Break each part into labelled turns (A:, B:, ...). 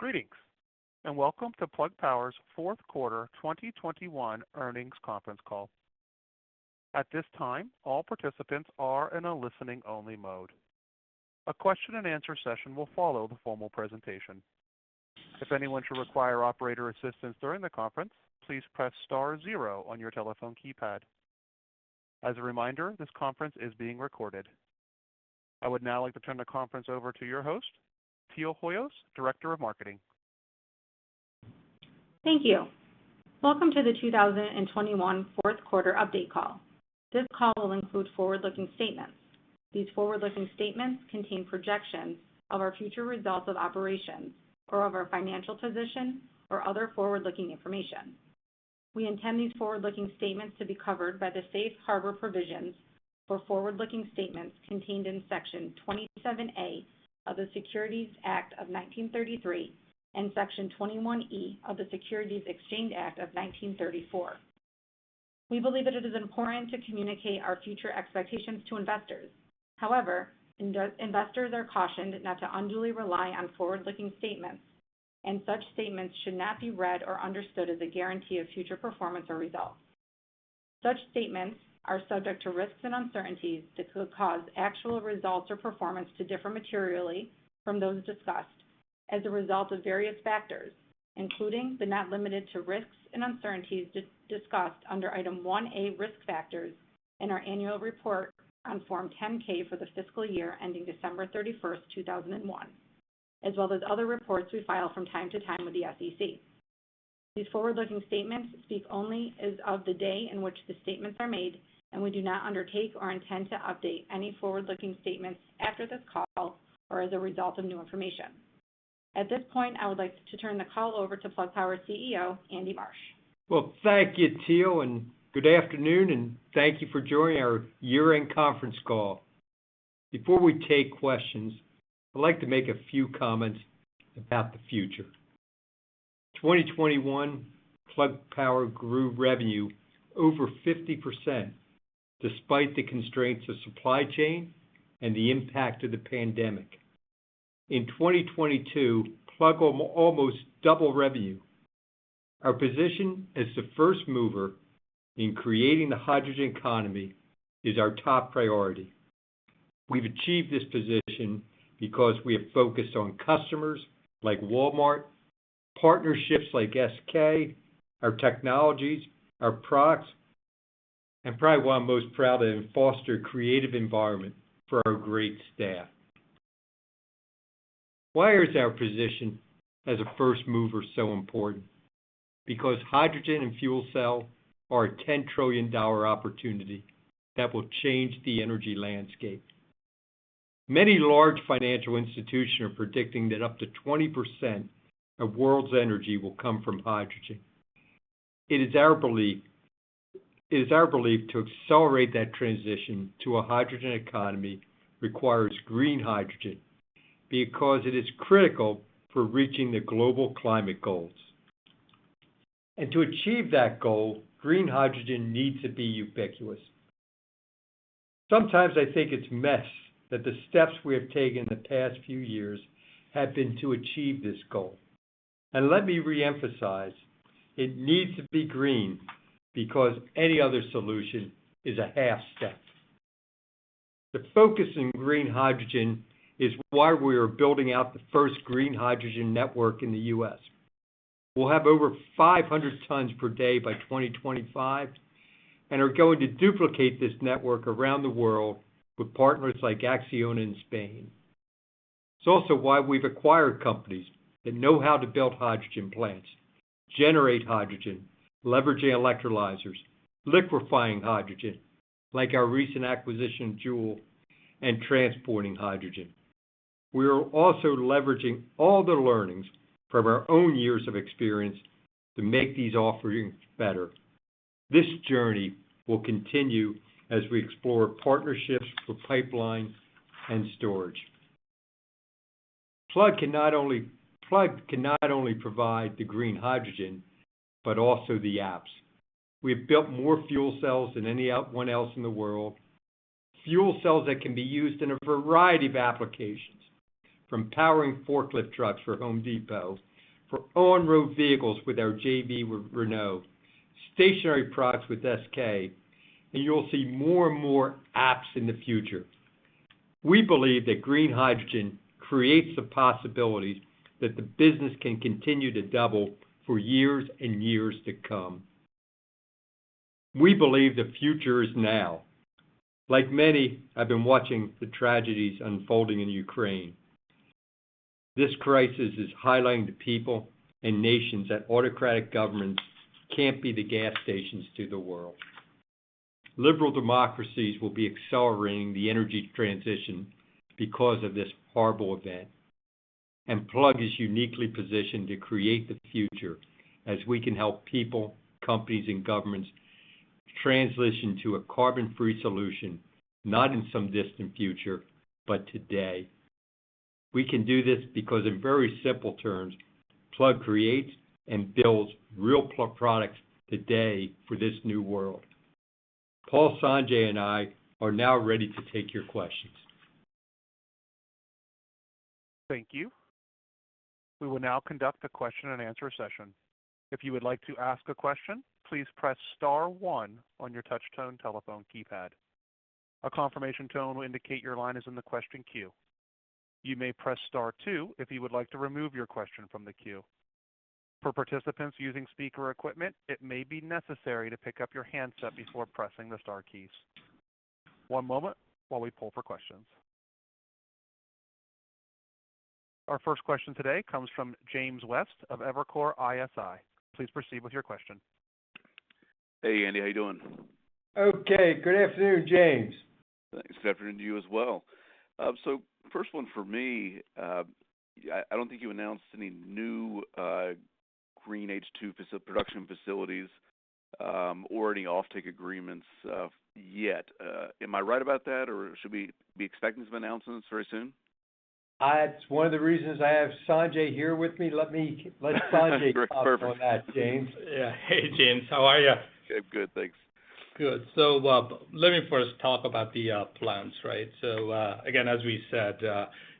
A: Greetings, and Welcome to Plug Power's fourth quarter 2021 earnings conference call. At this time, all participants are in a listening only mode. A question-and-answer session will follow the formal presentation. If anyone should require operator assistance during the conference, please press star zero on your telephone keypad. As a reminder, this conference is being recorded. I would now like to turn the conference over to your host, Teal Hoyos, Director of Marketing.
B: Thank you. Welcome to the 2021 fourth quarter update call. This call will include forward-looking statements. These forward-looking statements contain projections of our future results of operations or of our financial position or other forward-looking information. We intend these forward-looking statements to be covered by the safe harbor provisions for forward-looking statements contained in Section 27A of the Securities Act of 1933 and Section 21E of the Securities Exchange Act of 1934. We believe that it is important to communicate our future expectations to investors. However, investors are cautioned not to unduly rely on forward-looking statements, and such statements should not be read or understood as a guarantee of future performance or results. Such statements are subject to risks and uncertainties that could cause actual results or performance to differ materially from those discussed as a result of various factors, including but not limited to risks and uncertainties discussed under Item 1A, Risk Factors in our annual report on Form 10-K for the fiscal year ending December 31st, 2001, as well as other reports we file from time to time with the SEC. These forward-looking statements speak only as of the day in which the statements are made, and we do not undertake or intend to update any forward-looking statements after this call or as a result of new information. At this point, I would like to turn the call over to Plug Power CEO, Andy Marsh.
C: Well, thank you, Teal, and good afternoon, and thank you for joining our year-end conference call. Before we take questions, I'd like to make a few comments about the future. In 2021, Plug Power grew revenue over 50% despite the constraints of supply chain and the impact of the pandemic. In 2022, Plug almost doubled revenue. Our position as the first mover in creating the hydrogen economy is our top priority. We've achieved this position because we have focused on customers like Walmart, partnerships like SK, our technologies, our products, and probably what I'm most proud of, foster creative environment for our great staff. Why is our position as a first mover so important? Because hydrogen and fuel cell are a $10 trillion opportunity that will change the energy landscape. Many large financial institutions are predicting that up to 20% of world's energy will come from hydrogen. It is our belief to accelerate that transition to a hydrogen economy requires green hydrogen because it is critical for reaching the global climate goals. To achieve that goal, green hydrogen needs to be ubiquitous. Sometimes I think it's massive that the steps we have taken the past few years have been to achieve this goal. Let me reemphasize, it needs to be green because any other solution is a half step. The focus in green hydrogen is why we are building out the first green hydrogen network in the U.S. We'll have over 500 tons per day by 2025 and are going to duplicate this network around the world with partners like ACCIONA in Spain. It's also why we've acquired companies that know how to build hydrogen plants, generate hydrogen, leveraging electrolyzers, liquefying hydrogen, like our recent acquisition, Joule, and transporting hydrogen. We are also leveraging all the learnings from our own years of experience to make these offerings better. This journey will continue as we explore partnerships for pipelines and storage. Plug can not only provide the green hydrogen, but also the apps. We have built more fuel cells than anyone else in the world. Fuel cells that can be used in a variety of applications, from powering forklift trucks for Home Depot, for on-road vehicles with our JV with Renault, stationary products with SK, and you'll see more and more apps in the future. We believe that green hydrogen creates the possibilities that the business can continue to double for years and years to come. We believe the future is now. Like many, I've been watching the tragedies unfolding in Ukraine. This crisis is highlighting to people and nations that autocratic governments can't be the gas stations to the world. Liberal democracies will be accelerating the energy transition because of this horrible event. Plug is uniquely positioned to create the future as we can help people, companies, and governments transition to a carbon-free solution, not in some distant future, but today. We can do this because in very simple terms, Plug creates and builds real plug products today for this new world. Paul, Sanjay and I are now ready to take your questions.
A: Thank you. We will now conduct a question-and-answer session. If you would like to ask a question, please press star one on your touchtone telephone keypad. A confirmation tone will indicate your line is in the question queue. You may press star two if you would like to remove your question from the queue. For participants using speaker equipment, it may be necessary to pick up your handset before pressing the star keys. One moment while we pull for questions. Our first question today comes from James West of Evercore ISI. Please proceed with your question.
D: Hey, Andy. How are you doing?
C: Okay. Good afternoon, James.
D: Thanks. Good afternoon to you as well. First one for me, I don't think you announced any new green H2 production facilities or any offtake agreements yet. Am I right about that, or should we be expecting some announcements very soon?
C: That's one of the reasons I have Sanjay here with me. Let me-
D: Great. Perfect.
C: Let Sanjay talk on that, James.
E: Yeah. Hey, James. How are you?
D: Good. Thanks.
E: Good. Let me first talk about the plans, right? Again, as we said,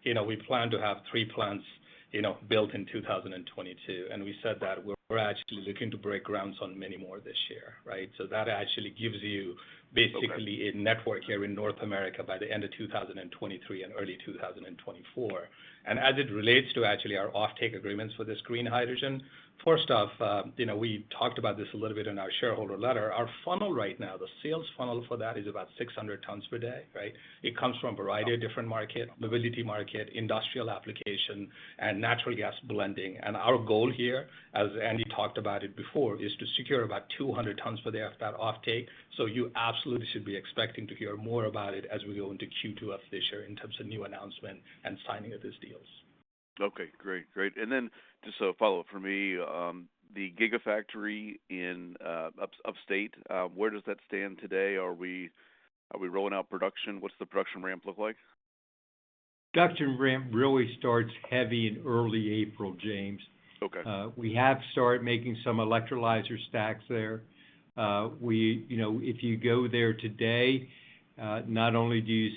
E: you know, we plan to have three plants, you know, built in 2022, and we said that we're actually looking to break ground on many more this year, right? That actually gives you basically-
D: Okay
E: a network here in North America by the end of 2023 and early 2024. As it relates to actually our offtake agreements for this green hydrogen, first off, you know, we talked about this a little bit in our shareholder letter. Our funnel right now, the sales funnel for that is about 600 tons per day, right? It comes from a variety of different markets: mobility market, industrial application, and natural gas blending. Our goal here, as Andy talked about it before, is to secure about 200 tons for that offtake. You absolutely should be expecting to hear more about it as we go into Q2 of this year in terms of new announcement and signing of these deals.
D: Okay. Great. Great. Just a follow-up for me. The gigafactory in upstate, where does that stand today? Are we rolling out production? What's the production ramp look like?
C: Production ramp really starts heavy in early April, James.
D: Okay.
C: We have started making some electrolyzer stacks there. You know, if you go there today, not only do you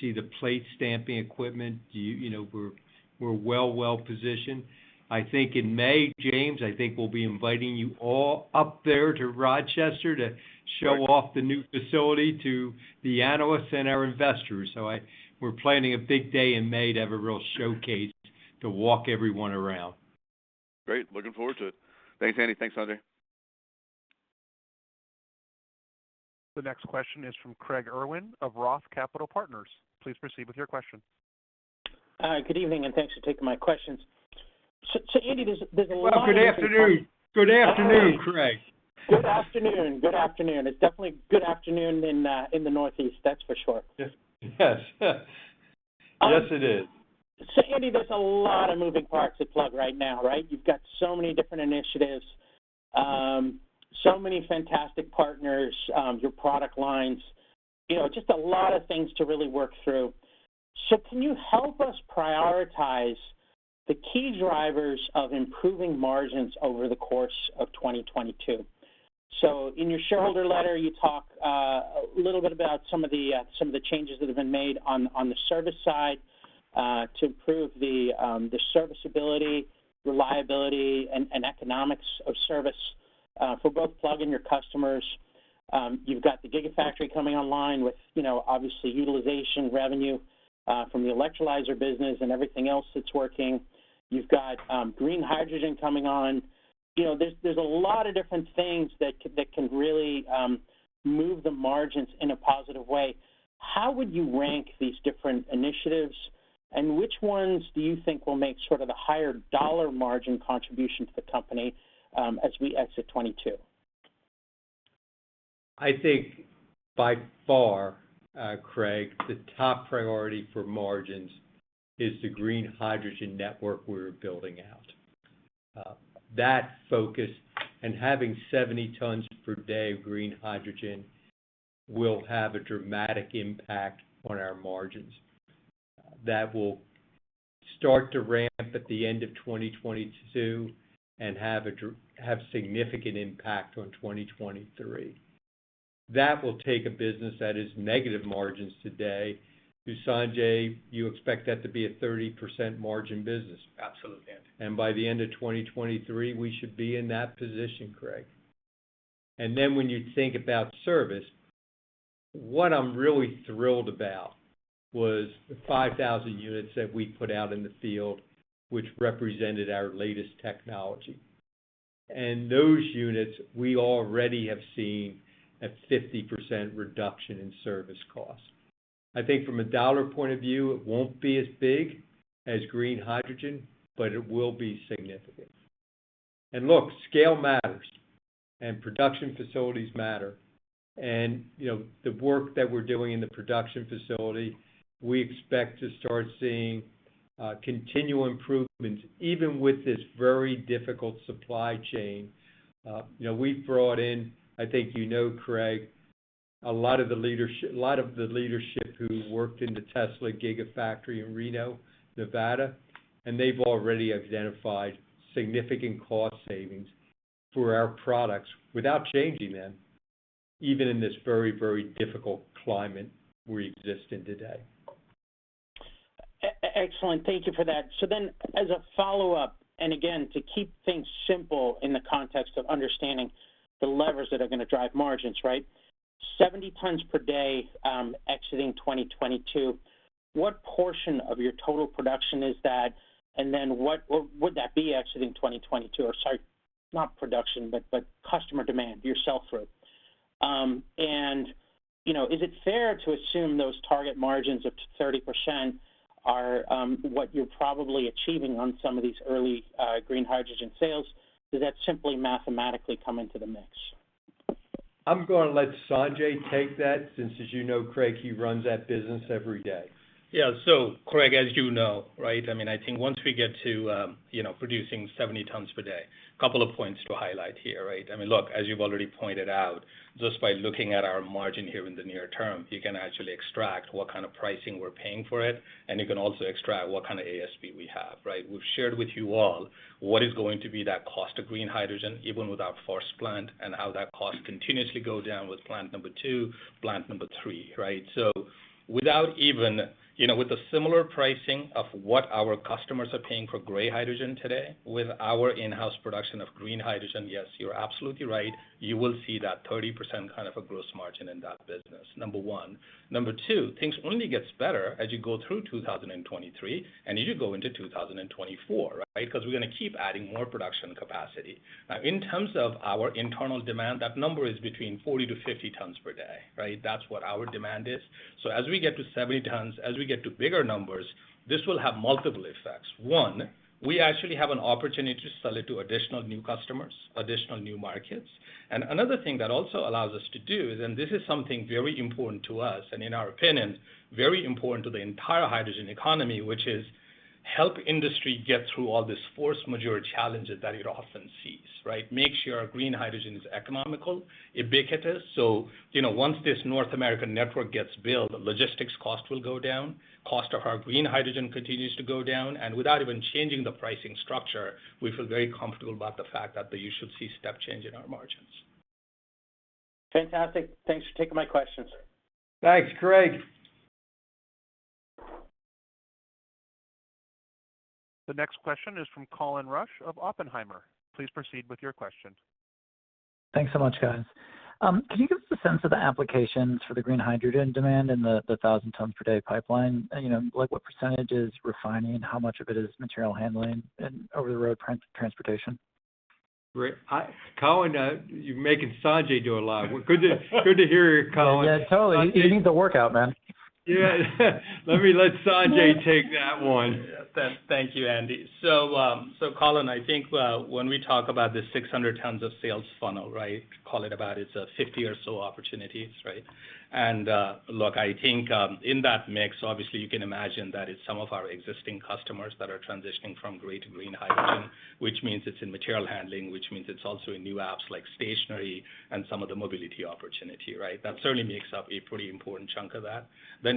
C: see the plate stamping equipment, you know, we're well-positioned. I think in May, James, I think we'll be inviting you all up there to Rochester to show off the new facility to the analysts and our investors. We're planning a big day in May to have a real showcase to walk everyone around.
D: Great. Looking forward to it. Thanks, Andy. Thanks, Sanjay.
A: The next question is from Craig Irwin of Roth Capital Partners. Please proceed with your question.
F: Good evening, and thanks for taking my questions. Andy, there's a lot of
C: Well, good afternoon. Good afternoon, Craig.
F: Good afternoon. It's definitely good afternoon in the northeast, that's for sure.
C: Yes. Yes, it is.
F: Andy, there's a lot of moving parts at Plug right now, right? You've got so many different initiatives, so many fantastic partners, your product lines, you know, just a lot of things to really work through. Can you help us prioritize the key drivers of improving margins over the course of 2022? In your shareholder letter, you talk a little bit about some of the changes that have been made on the service side to improve the serviceability, reliability and economics of service for both Plug and your customers. You've got the gigafactory coming online with, you know, obviously utilization revenue from the electrolyzer business and everything else that's working. You've got green hydrogen coming on. You know, there's a lot of different things that can really move the margins in a positive way. How would you rank these different initiatives and which ones do you think will make sort of the higher dollar margin contribution to the company, as we exit 2022?
C: I think by far, Craig, the top priority for margins is the green hydrogen network we're building out. That focus and having 70 tons per day of green hydrogen will have a dramatic impact on our margins. That will start to ramp at the end of 2022 and have significant impact on 2023. That will take a business that is negative margins today, to Sanjay, you expect that to be a 30% margin business.
E: Absolutely, Andy.
C: By the end of 2023, we should be in that position, Craig. Then when you think about service, what I'm really thrilled about was the 5,000 units that we put out in the field, which represented our latest technology. Those units, we already have seen a 50% reduction in service costs. I think from a dollar point of view, it won't be as big as green hydrogen, but it will be significant. Look, scale matters and production facilities matter. You know, the work that we're doing in the production facility, we expect to start seeing continual improvements, even with this very difficult supply chain. You know, we've brought in, I think you know, Craig, a lot of the leadership who worked in the Tesla Gigafactory in Reno, Nevada, and they've already identified significant cost savings for our products without changing them, even in this very, very difficult climate we exist in today.
F: Excellent. Thank you for that. As a follow-up, and again, to keep things simple in the context of understanding the levers that are going to drive margins, right? 70 tons per day exiting 2022, what portion of your total production is that? And then what would that be exiting 2022? Or sorry, not production, but customer demand, your sell-through. You know, is it fair to assume those target margins of 30% are what you're probably achieving on some of these early green hydrogen sales? Does that simply mathematically come into the mix?
C: I'm gonna let Sanjay take that since as you know, Craig, he runs that business every day.
E: Yeah. Craig, as you know, right, I mean, I think once we get to, you know, producing 70 tons per day, couple of points to highlight here, right? I mean, look, as you've already pointed out, just by looking at our margin here in the near term, you can actually extract what kind of pricing we're paying for it, and you can also extract what kind of ASP we have, right? We've shared with you all what is going to be that cost of green hydrogen even without first plant, and how that cost continuously goes down with plant number two, plant number three, right? Without even You know, with the similar pricing of what our customers are paying for gray hydrogen today, with our in-house production of green hydrogen, yes, you're absolutely right, you will see that 30% kind of a gross margin in that business, number one. Number two, things only gets better as you go through 2023 and as you go into 2024, right? 'Cause we're gonna keep adding more production capacity. In terms of our internal demand, that number is between 40-50 tons per day, right? That's what our demand is. As we get to 70 tons, as we get to bigger numbers, this will have multiple effects. One, we actually have an opportunity to sell it to additional new customers, additional new markets. Another thing that also allows us to do is, and this is something very important to us, and in our opinion, very important to the entire hydrogen economy, which is help industry get through all these force majeure challenges that it often sees, right? Make sure our green hydrogen is economical, ubiquitous. you know, once this North American network gets built, logistics cost will go down, cost of our green hydrogen continues to go down, and without even changing the pricing structure, we feel very comfortable about the fact that you should see step change in our margins.
F: Fantastic. Thanks for taking my questions.
C: Thanks, Craig.
A: The next question is from Colin Rusch of Oppenheimer. Please proceed with your question.
G: Thanks so much, guys. Can you give us a sense of the applications for the green hydrogen demand and the 1,000 tons per day pipeline? You know, like what percentage is refining, how much of it is material handling and over-the-road transportation?
C: Great. Colin, you're making Sanjay do a lot. Good to hear you, Colin.
G: Yeah. Totally. He needs a workout, man.
C: Yeah. Let me let Sanjay take that one.
E: Yes. Thank you, Andy. Colin, I think when we talk about the 600 tons of sales funnel, right? Call it about 50 or so opportunities, right? Look, I think in that mix, obviously you can imagine that it's some of our existing customers that are transitioning from gray to green hydrogen, which means it's in material handling, which means it's also in new apps like stationary and some of the mobility opportunity, right? That certainly makes up a pretty important chunk of that.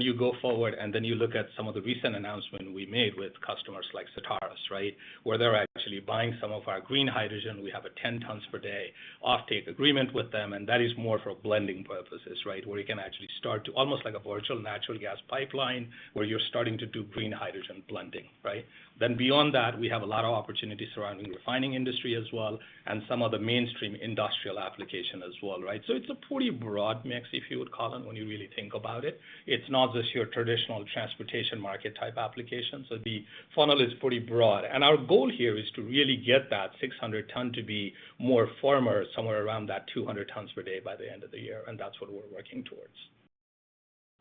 E: You go forward, and you look at some of the recent announcement we made with customers like Certarus, right? Where they're actually buying some of our green hydrogen. We have a 10 tons per day offtake agreement with them, and that is more for blending purposes, right? Where you can actually start to almost like a virtual natural gas pipeline, where you're starting to do green hydrogen blending, right? Beyond that, we have a lot of opportunities surrounding refining industry as well and some of the mainstream industrial application as well, right? It's a pretty broad mix, if you would, Colin, when you really think about it. It's not just your traditional transportation market type application. The funnel is pretty broad. Our goal here is to really get that 600 ton to be more firmer, somewhere around that 200 tons per day by the end of the year, and that's what we're working towards.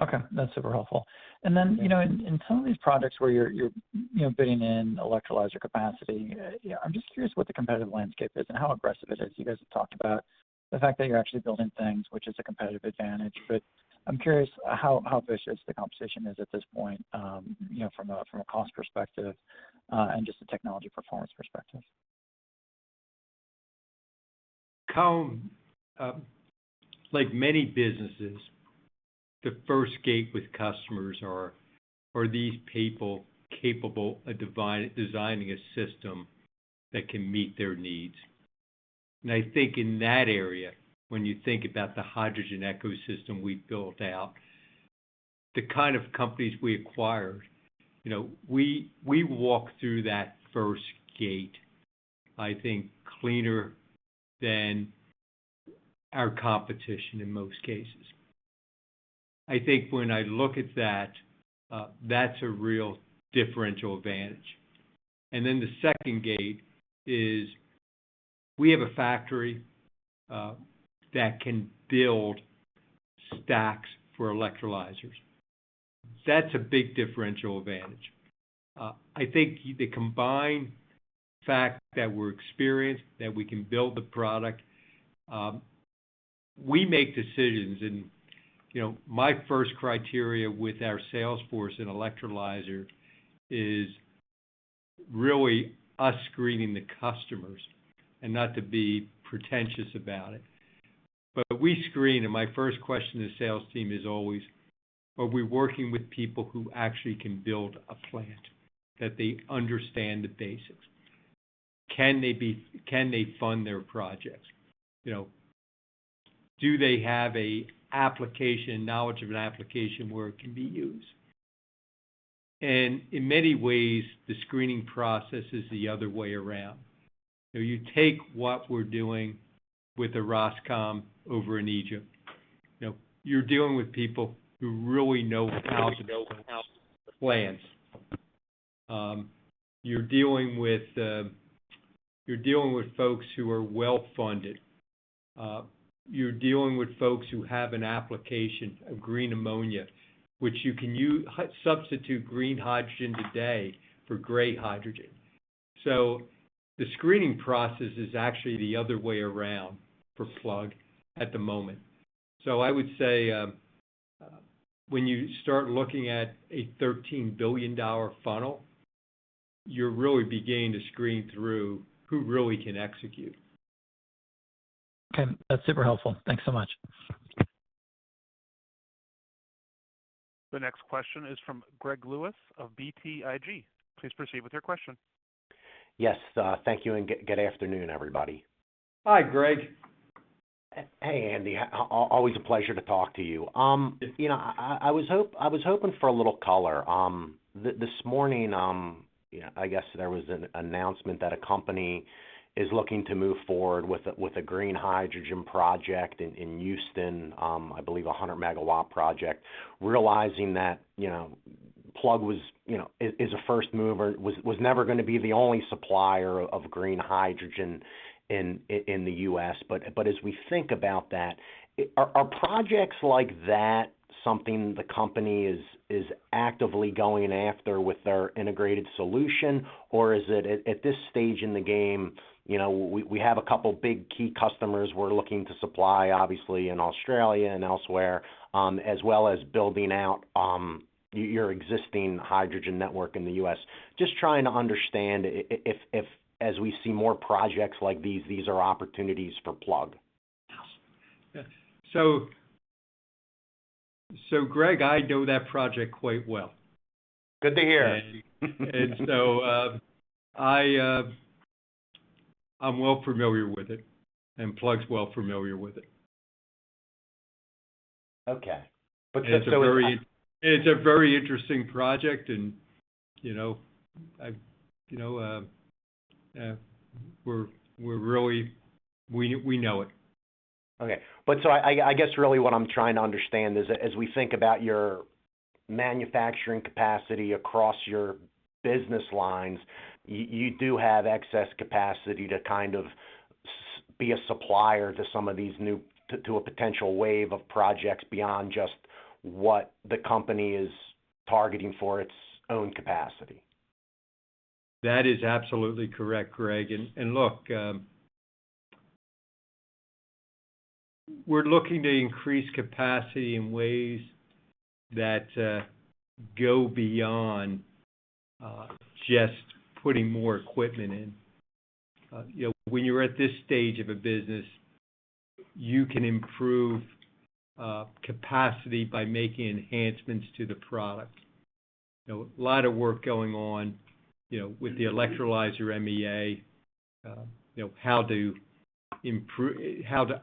G: Okay. That's super helpful. You know, in some of these products where you're bidding in electrolyzer capacity, you know, I'm just curious what the competitive landscape is and how aggressive it is. You guys have talked about the fact that you're actually building things, which is a competitive advantage, but I'm curious how vicious the competition is at this point, you know, from a cost perspective, and just a technology performance perspective.
C: Colin, like many businesses, the first gate with customers are these people capable of designing a system that can meet their needs? I think in that area, when you think about the hydrogen ecosystem we built out, the kind of companies we acquired, you know, we walk through that first gate, I think, cleaner than our competition in most cases. I think when I look at that's a real differential advantage. Then the second gate is, we have a factory that can build stacks for electrolyzers. That's a big differential advantage. I think the combined fact that we're experienced, that we can build the product, we make decisions and, you know, my first criteria with our sales force and electrolyzer is really us screening the customers. Not to be pretentious about it, but we screen, and my first question to the sales team is always, are we working with people who actually can build a plant? That they understand the basics. Can they fund their projects? You know, do they have an application, knowledge of an application where it can be used? In many ways, the screening process is the other way around. You know, you take what we're doing with the Orascom over in Egypt. You know, you're dealing with people who really know how to build plants. You're dealing with folks who are well-funded. You're dealing with folks who have an application of green ammonia, which you can substitute green hydrogen today for gray hydrogen. The screening process is actually the other way around for Plug at the moment. I would say, when you start looking at a $13 billion funnel, you're really beginning to screen through who really can execute.
G: Okay. That's super helpful. Thanks so much.
A: The next question is from Greg Lewis of BTIG. Please proceed with your question.
H: Yes. Thank you, and good afternoon, everybody.
C: Hi, Greg.
H: Hey, Andy. Always a pleasure to talk to you. You know, I was hoping for a little color. This morning, you know, I guess there was an announcement that a company is looking to move forward with a green hydrogen project in Houston, I believe a 100 MW project. Realizing that, you know, Plug is a first mover, was never gonna be the only supplier of green hydrogen in the U.S. As we think about that, are projects like that something the company is actively going after with their integrated solution? Is it at this stage in the game, you know, we have a couple big key customers we're looking to supply, obviously in Australia and elsewhere, as well as building out your existing hydrogen network in the U.S. Just trying to understand if as we see more projects like these are opportunities for Plug.
C: Yeah. Greg, I know that project quite well.
H: Good to hear.
C: I'm well familiar with it, and Plug's well familiar with it.
H: Okay. Just so we
C: It's a very interesting project and, you know, you know, we're really. We know it.
H: Okay. I guess really what I'm trying to understand is as we think about your manufacturing capacity across your business lines, you do have excess capacity to kind of be a supplier to some of these new to a potential wave of projects beyond just what the company is targeting for its own capacity.
C: That is absolutely correct, Greg. Look, we're looking to increase capacity in ways that go beyond just putting more equipment in. You know, when you're at this stage of a business, you can improve capacity by making enhancements to the product. You know, a lot of work going on, you know, with the electrolyzer MEA, you know, how to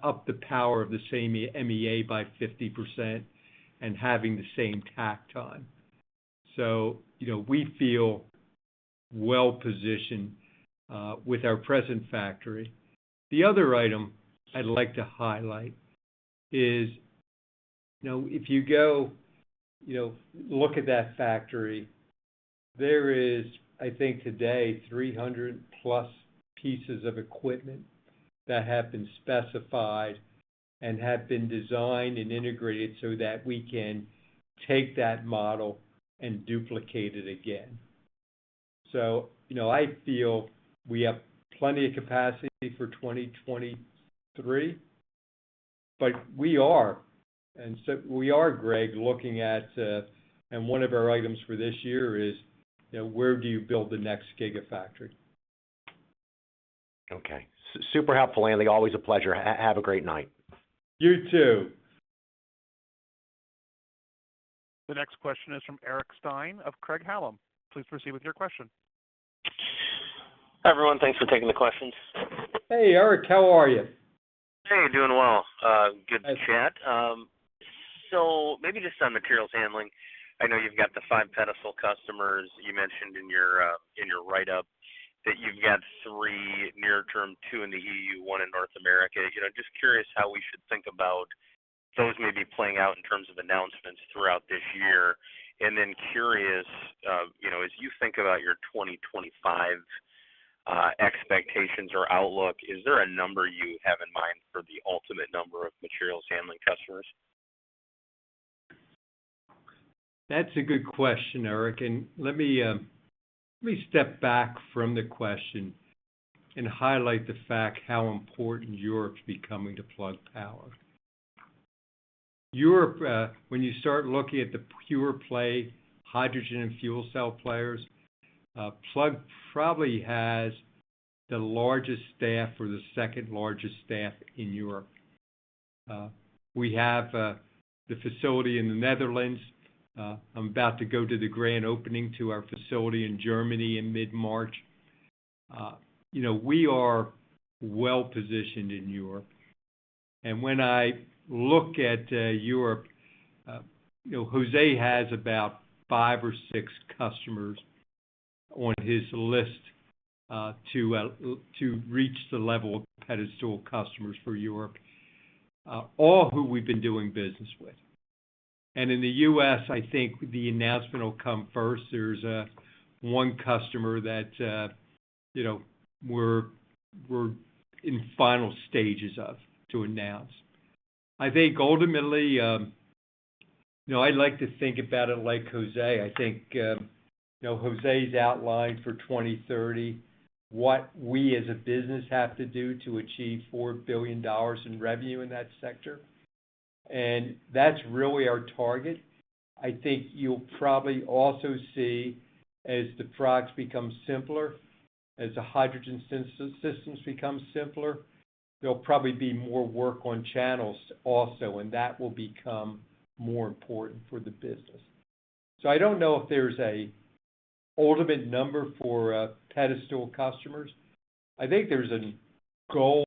C: up the power of the same MEA by 50% and having the same takt time. You know, we feel well-positioned with our present factory. The other item I'd like to highlight is, you know, if you go, you know, look at that factory, there is, I think today, 300+ pieces of equipment that have been specified and have been designed and integrated so that we can take that model and duplicate it again. You know, I feel we have plenty of capacity for 2023, but we are, Greg, looking at, and one of our items for this year is, you know, where do you build the next gigafactory?
H: Okay. Super helpful, Andy. Always a pleasure. Have a great night.
C: You too.
A: The next question is from Eric Stine of Craig-Hallum. Please proceed with your question.
I: Hi, everyone. Thanks for taking the questions.
C: Hey, Eric, how are you?
I: Hey, doing well. Good to chat. So maybe just on materials handling, I know you've got the five pedestal customers. You mentioned in your write-up that you've got three near-term, two in the E.U., one in North America. You know, just curious how we should think about those maybe playing out in terms of announcements throughout this year. Then curious, you know, as you think about your 2025 expectations or outlook, is there a number you have in mind for the ultimate number of materials handling customers?
C: That's a good question, Eric, and let me step back from the question and highlight the fact how important Europe's becoming to Plug Power. Europe, when you start looking at the pure play hydrogen and fuel cell players, Plug probably has the largest staff or the second-largest staff in Europe. We have the facility in the Netherlands. I'm about to go to the grand opening to our facility in Germany in mid-March. You know, we are well-positioned in Europe. When I look at Europe, you know, Joseph has about five or six customers on his list to reach the level of pedestal customers for Europe, all who we've been doing business with. In the U.S., I think the announcement will come first. There's one customer that you know we're in final stages of to announce. I think ultimately you know I like to think about it like Jose. I think you know Jose's outlined for 2030 what we as a business have to do to achieve $4 billion in revenue in that sector. That's really our target. I think you'll probably also see as the products become simpler, as the hydrogen systems become simpler, there'll probably be more work on channels also, and that will become more important for the business. I don't know if there's a ultimate number for potential customers. I think there's a goal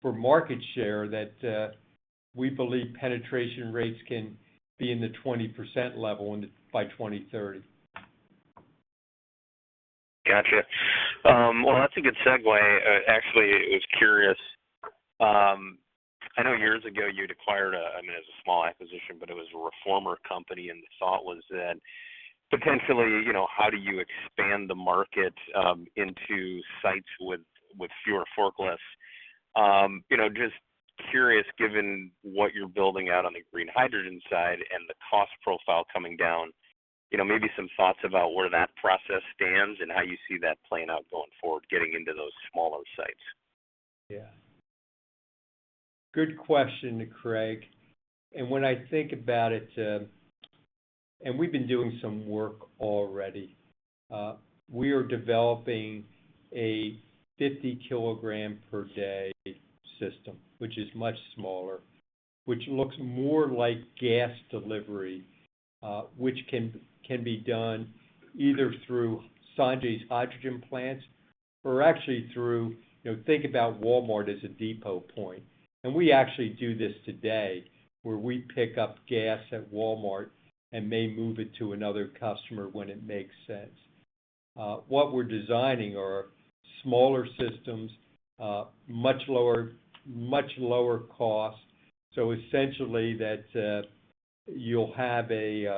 C: for market share that we believe penetration rates can be in the 20% level by 2030.
I: Gotcha. Well, that's a good segue. Actually, I was curious. I know years ago you'd acquired a, I mean, as a small acquisition, but it was a reformer company, and the thought was that potentially, you know, how do you expand the market into sites with fewer forklifts? You know, just curious, given what you're building out on the green hydrogen side and the cost profile coming down, you know, maybe some thoughts about where that process stands and how you see that playing out going forward, getting into those smaller sites.
C: Yeah. Good question, Craig. When I think about it, and we've been doing some work already. We are developing a 50-kg-per-day system, which is much smaller, which looks more like gas delivery, which can be done either through Sanjay's hydrogen plants or actually through, you know, think about Walmart as a depot point. We actually do this today, where we pick up gas at Walmart and may move it to another customer when it makes sense. What we're designing are smaller systems, much lower cost. Essentially that, you'll have a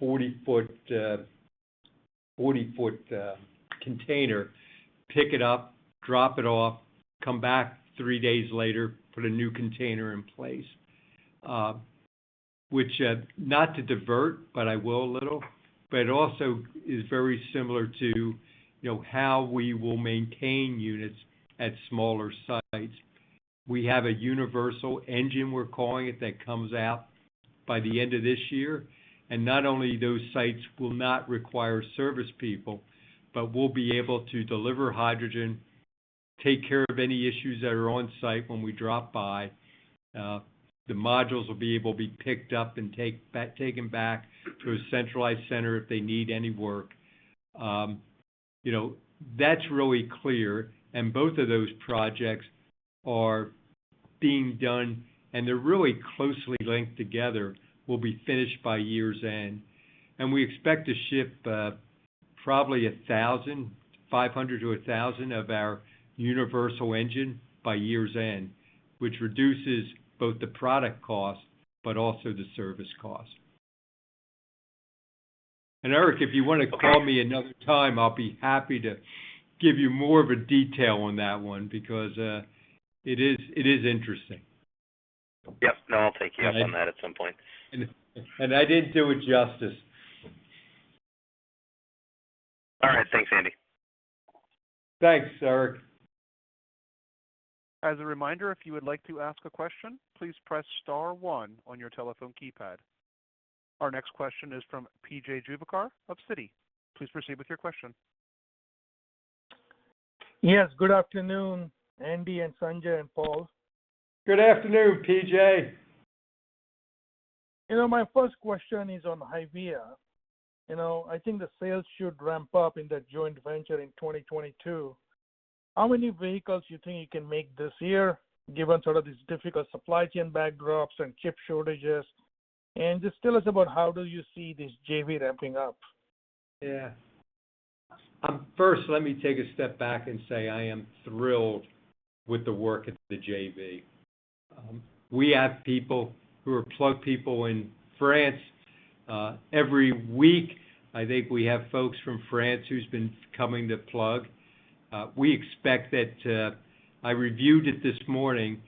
C: 40-foot container, pick it up, drop it off, come back three days later, put a new container in place. Which, not to divert, but I will a little, but it also is very similar to, you know, how we will maintain units at smaller sites. We have a universal engine we're calling it that comes out by the end of this year. Not only those sites will not require service people, but we'll be able to deliver hydrogen, take care of any issues that are on-site when we drop by. The modules will be able to be picked up and taken back to a centralized center if they need any work. You know, that's really clear, and both of those projects are being done, and they're really closely linked together, will be finished by year's end. We expect to ship, probably 1,500-2,000 of our universal engine by year's end, which reduces both the product cost but also the service cost. Eric, if you wanna call me another time, I'll be happy to give you more of a detail on that one because it is interesting.
I: Yep. No, I'll take you up on that at some point.
C: I didn't do it justice.
I: All right. Thanks, Andy.
C: Thanks, Eric.
A: As a reminder, if you would like to ask a question, please press star one on your telephone keypad. Our next question is from P.J. Juvekar of Citi. Please proceed with your question.
J: Yes, good afternoon, Andy and Sanjay and Paul.
C: Good afternoon, P.J.
J: You know, my first question is on Hyvia. You know, I think the sales should ramp up in that joint venture in 2022. How many vehicles you think you can make this year, given sort of these difficult supply chain backdrops and chip shortages? Just tell us about how do you see this JV ramping up.
C: Yeah. First, let me take a step back and say I am thrilled with the work at the JV. We have people who are Plug people in France. Every week, I think we have folks from France who's been coming to Plug. I reviewed it this morning.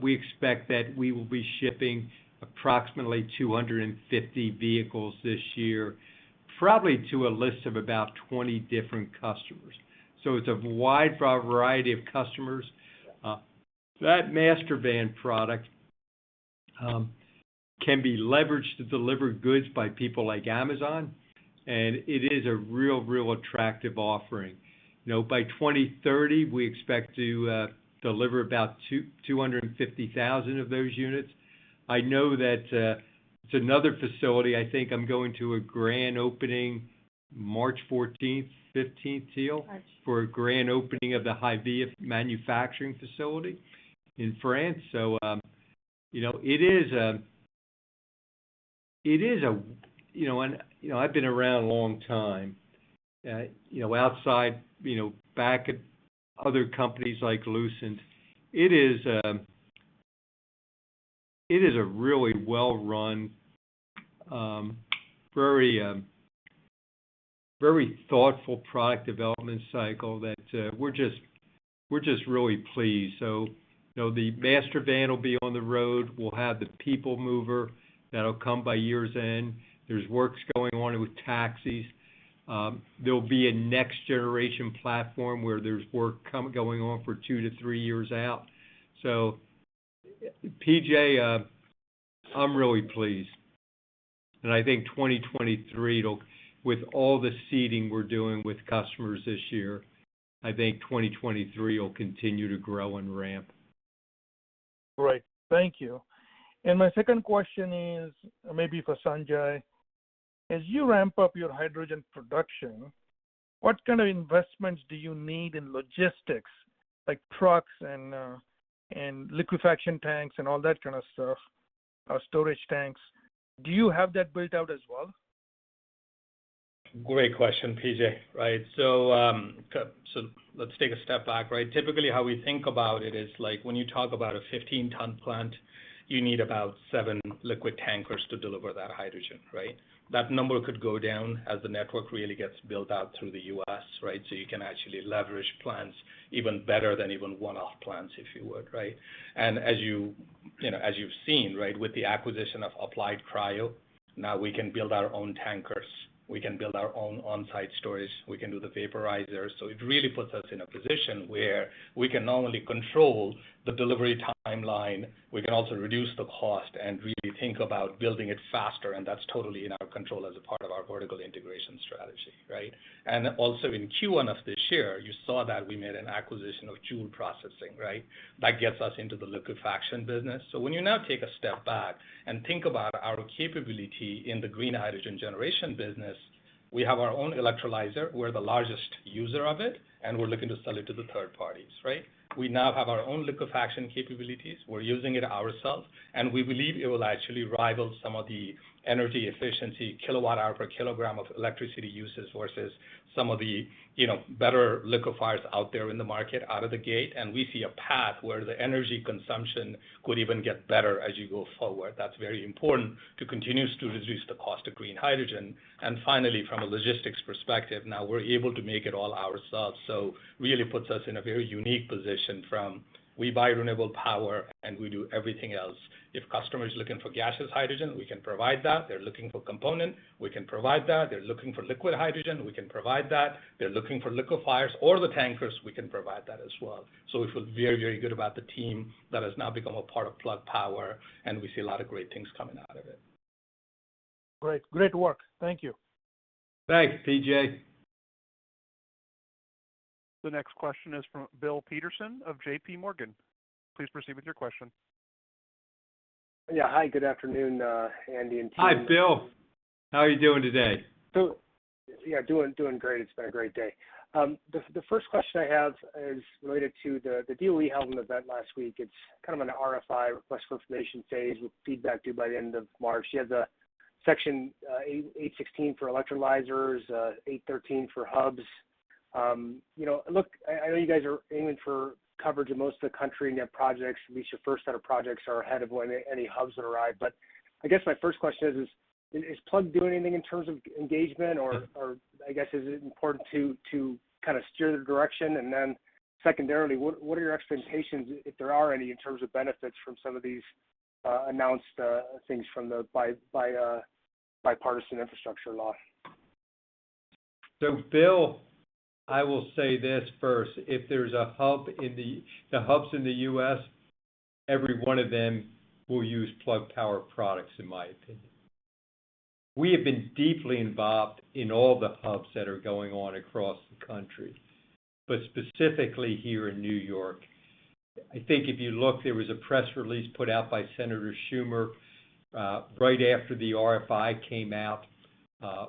C: We expect that we will be shipping approximately 250 vehicles this year, probably to a list of about 20 different customers. It's a wide variety of customers. That Renault Master product can be leveraged to deliver goods by people like Amazon, and it is a real attractive offering. You know, by 2030, we expect to deliver about 250,000 of those units. I know that. It's another facility. I think I'm going to a grand opening March 14, 15, Teal.
B: March.
C: For a grand opening of the Hyvia manufacturing facility in France. You know, it is a, you know. You know, I've been around a long time. You know, outside, you know, back at other companies like Lucent, it is a really well-run, very thoughtful product development cycle that we're just really pleased. You know, the Master van will be on the road. We'll have the people mover that'll come by year's end. There's work going on with taxis. There'll be a next generation platform where there's work going on for two to three years out. P.J., I'm really pleased. I think 2023 it'll with all the seeding we're doing with customers this year, I think 2023 will continue to grow and ramp.
J: Great. Thank you. My second question is maybe for Sanjay. As you ramp up your hydrogen production, what kind of investments do you need in logistics, like trucks and liquefaction tanks and all that kind of stuff, storage tanks? Do you have that built out as well?
E: Great question, P.J., right. Let's take a step back, right? Typically, how we think about it is like when you talk about a 15-ton plant, you need about 7 liquid tankers to deliver that hydrogen, right? That number could go down as the network really gets built out through the U.S., right? You can actually leverage plants even better than one-off plants, if you would, right? As you know, as you've seen, right, with the acquisition of Applied Cryo, now we can build our own tankers. We can build our own on-site storage, we can do the vaporizer. It really puts us in a position where we can not only control the delivery timeline, we can also reduce the cost and really think about building it faster, and that's totally in our control as a part of our vertical integration strategy, right? Also in Q1 of this year, you saw that we made an acquisition of Joule Processing, right? That gets us into the liquefaction business. When you now take a step back and think about our capability in the green hydrogen generation business, we have our own electrolyzer, we're the largest user of it, and we're looking to sell it to third parties, right? We now have our own liquefaction capabilities. We're using it ourselves, and we believe it will actually rival some of the energy efficiency, kilowatt hour per kilogram of electricity uses versus some of the, you know, better liquefiers out there in the market out of the gate. We see a path where the energy consumption could even get better as you go forward. That's very important to continue to reduce the cost of green hydrogen. Finally, from a logistics perspective, now we're able to make it all ourselves. Really puts us in a very unique position where we buy renewable power and we do everything else. If customer is looking for gaseous hydrogen, we can provide that. They're looking for component; we can provide that. They're looking for liquid hydrogen; we can provide that. They're looking for liquefiers or the tankers; we can provide that as well. We feel very, very good about the team that has now become a part of Plug Power, and we see a lot of great things coming out of it.
J: Great. Great work. Thank you.
C: Thanks, P.J.
A: The next question is from Bill Peterson of JPMorgan. Please proceed with your question.
K: Yeah. Hi, good afternoon, Andy and team.
C: Hi, Bill. How are you doing today?
K: Yeah. Doing great. It's been a great day. The first question I have is related to the DOE held an event last week. It's kind of an RFI, request for information phase with feedback due by the end of March. You had the Section 816 for electrolyzers, 813 for hubs. You know, look, I know you guys are aiming for coverage in most of the country in your projects. At least your first set of projects are ahead of when any hubs that arrive. But I guess my first question is Plug doing anything in terms of engagement or I guess, is it important to kind of steer the direction? Secondarily, what are your expectations, if there are any, in terms of benefits from some of these announced things from the Bipartisan Infrastructure Law?
C: Bill, I will say this first. If there's a hub in the U.S., every one of them will use Plug Power products in my opinion. We have been deeply involved in all the hubs that are going on across the country, but specifically here in New York. I think if you look, there was a press release put out by Senator Schumer right after the RFI came out,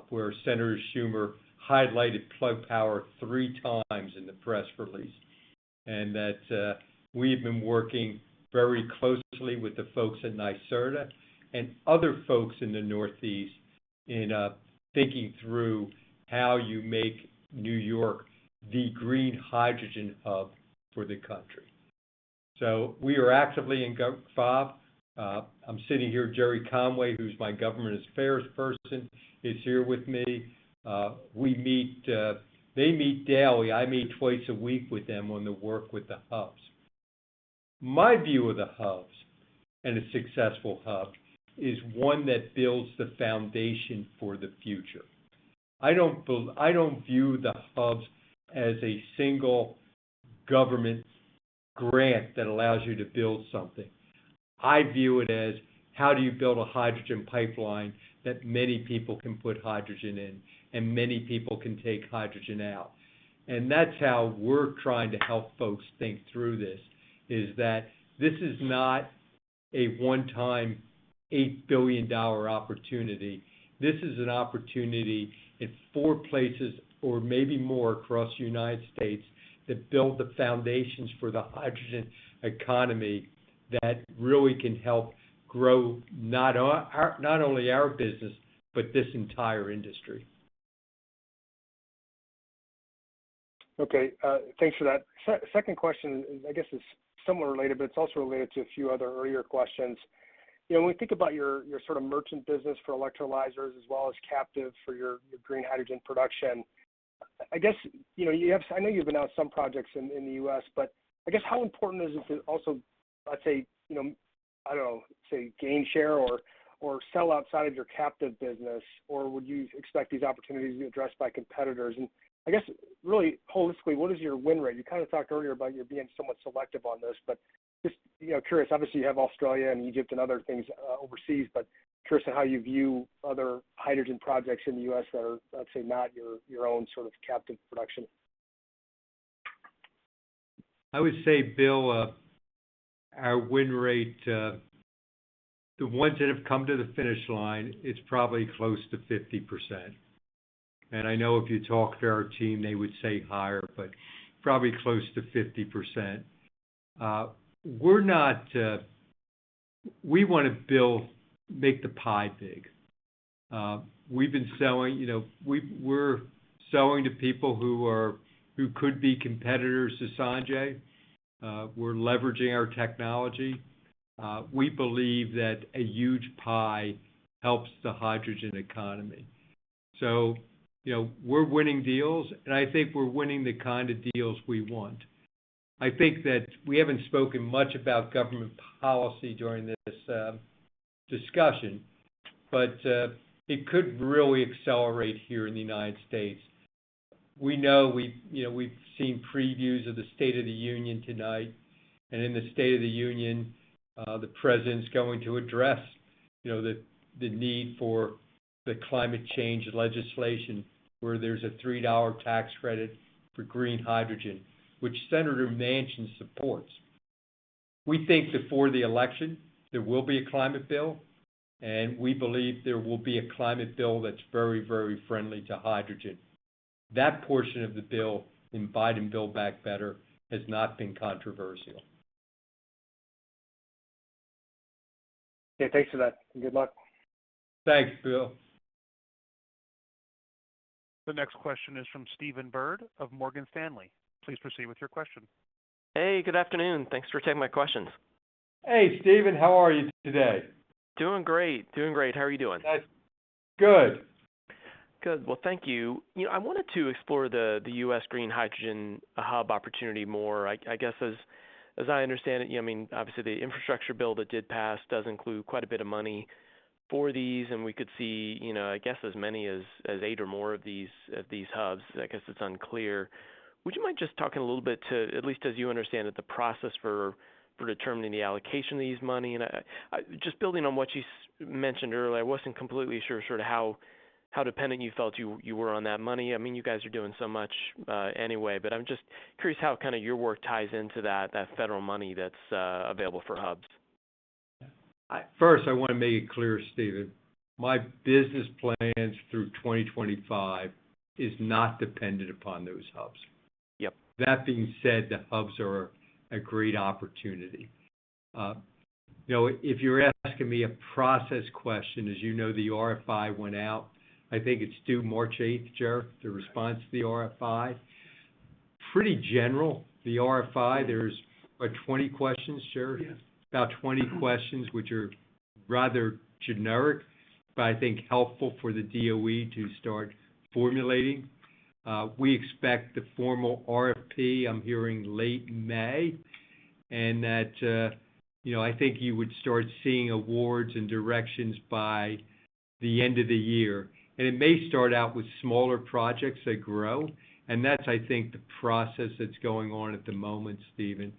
C: where Senator Schumer highlighted Plug Power three times in the press release, and we've been working very closely with the folks at NYSERDA and other folks in the Northeast in thinking through how you make New York the green hydrogen hub for the country. We are actively involved. I'm sitting here with Gerry Conway, who's my government affairs person, is here with me. We meet, they meet daily. I meet twice a week with them on the work with the hubs. My view of the hubs and a successful hub is one that builds the foundation for the future. I don't view the hubs as a single government grant that allows you to build something. I view it as how do you build a hydrogen pipeline that many people can put hydrogen in and many people can take hydrogen out. That's how we're trying to help folks think through this, is that this is not a one-time, $8 billion opportunity. This is an opportunity in four places or maybe more across United States to build the foundations for the hydrogen economy that really can help grow not only our business, but this entire industry.
K: Okay, thanks for that. Second question is, I guess, somewhat related, but it's also related to a few other earlier questions. You know, when we think about your sort of merchant business for electrolyzers as well as captive for your green hydrogen production, I guess, you know, you have I know you've been on some projects in the U.S., but I guess how important is it to also, let's say, you know, I don't know, say, gain share or sell outside of your captive business, or would you expect these opportunities to be addressed by competitors? I guess, really holistically, what is your win rate? You kind of talked earlier about you being somewhat selective on this, but just, you know, curious? Obviously, you have Australia and Egypt and other things overseas, but curious on how you view other hydrogen projects in the U.S. that are, let's say, not your own sort of captive production.
C: I would say, Bill, our win rate, the ones that have come to the finish line, it's probably close to 50%. I know if you talk to our team, they would say higher, but probably close to 50%. We're not—we want to make the pie big. We've been selling, you know, we're selling to people who could be competitors to Sanjay. We're leveraging our technology. We believe that a huge pie helps the hydrogen economy. You know, we're winning deals, and I think we're winning the kind of deals we want. I think that we haven't spoken much about government policy during this discussion, but it could really accelerate here in the United States. We know, you know, we've seen previews of the State of the Union tonight. In the State of the Union, the President's going to address, you know, the need for the climate change legislation, where there's a $3 tax credit for green hydrogen, which several remains in supports. We think that for the election, there will be a climate bill, and we believe there will be a climate bill that's very, very friendly to hydrogen. That portion of the bill in Build Back Better Act has not been controversial.
K: Okay, thanks for that, and good luck.
C: Thanks, Bill.
A: The next question is from Stephen Byrd of Morgan Stanley. Please proceed with your question.
L: Hey, good afternoon. Thanks for taking my questions.
C: Hey, Stephen. How are you today?
L: Doing great. Doing great. How are you doing?
C: Good.
L: Good. Well, thank you. You know, I wanted to explore the U.S. Green Hydrogen Hub opportunity more. I guess as I understand it, you know, I mean, obviously, the Infrastructure Bill that did pass does include quite a bit of money for these, and we could see, you know, I guess as many as eight or more of these hubs. I guess it's unclear. Would you mind just talking a little bit to at least as you understand it, the process for determining the allocation of this money? I just building on what you mentioned earlier, I wasn't completely sure sort of how dependent you felt you were on that money. I mean, you guys are doing so much anyway, but I'm just curious how kinda your work ties into that federal money that's available for hubs.
C: First, I wanna make it clear, Stephen, my business plans through 2025 is not dependent upon those hubs.
L: Yep.
C: That being said, the hubs are a great opportunity. You know, if you're asking me a process question, as you know, the RFI went out. I think it's due March eighth, Gerry, the response to the RFI. Pretty general, the RFI. There's, what, 20 questions, Gerry?
M: Yes.
C: About 20 questions, which are rather generic, but I think helpful for the DOE to start formulating. We expect the formal RFP, I'm hearing late May. That, you know, I think you would start seeing awards and directions by the end of the year. It may start out with smaller projects that grow, and that's, I think, the process that's going on at the moment, Stephen.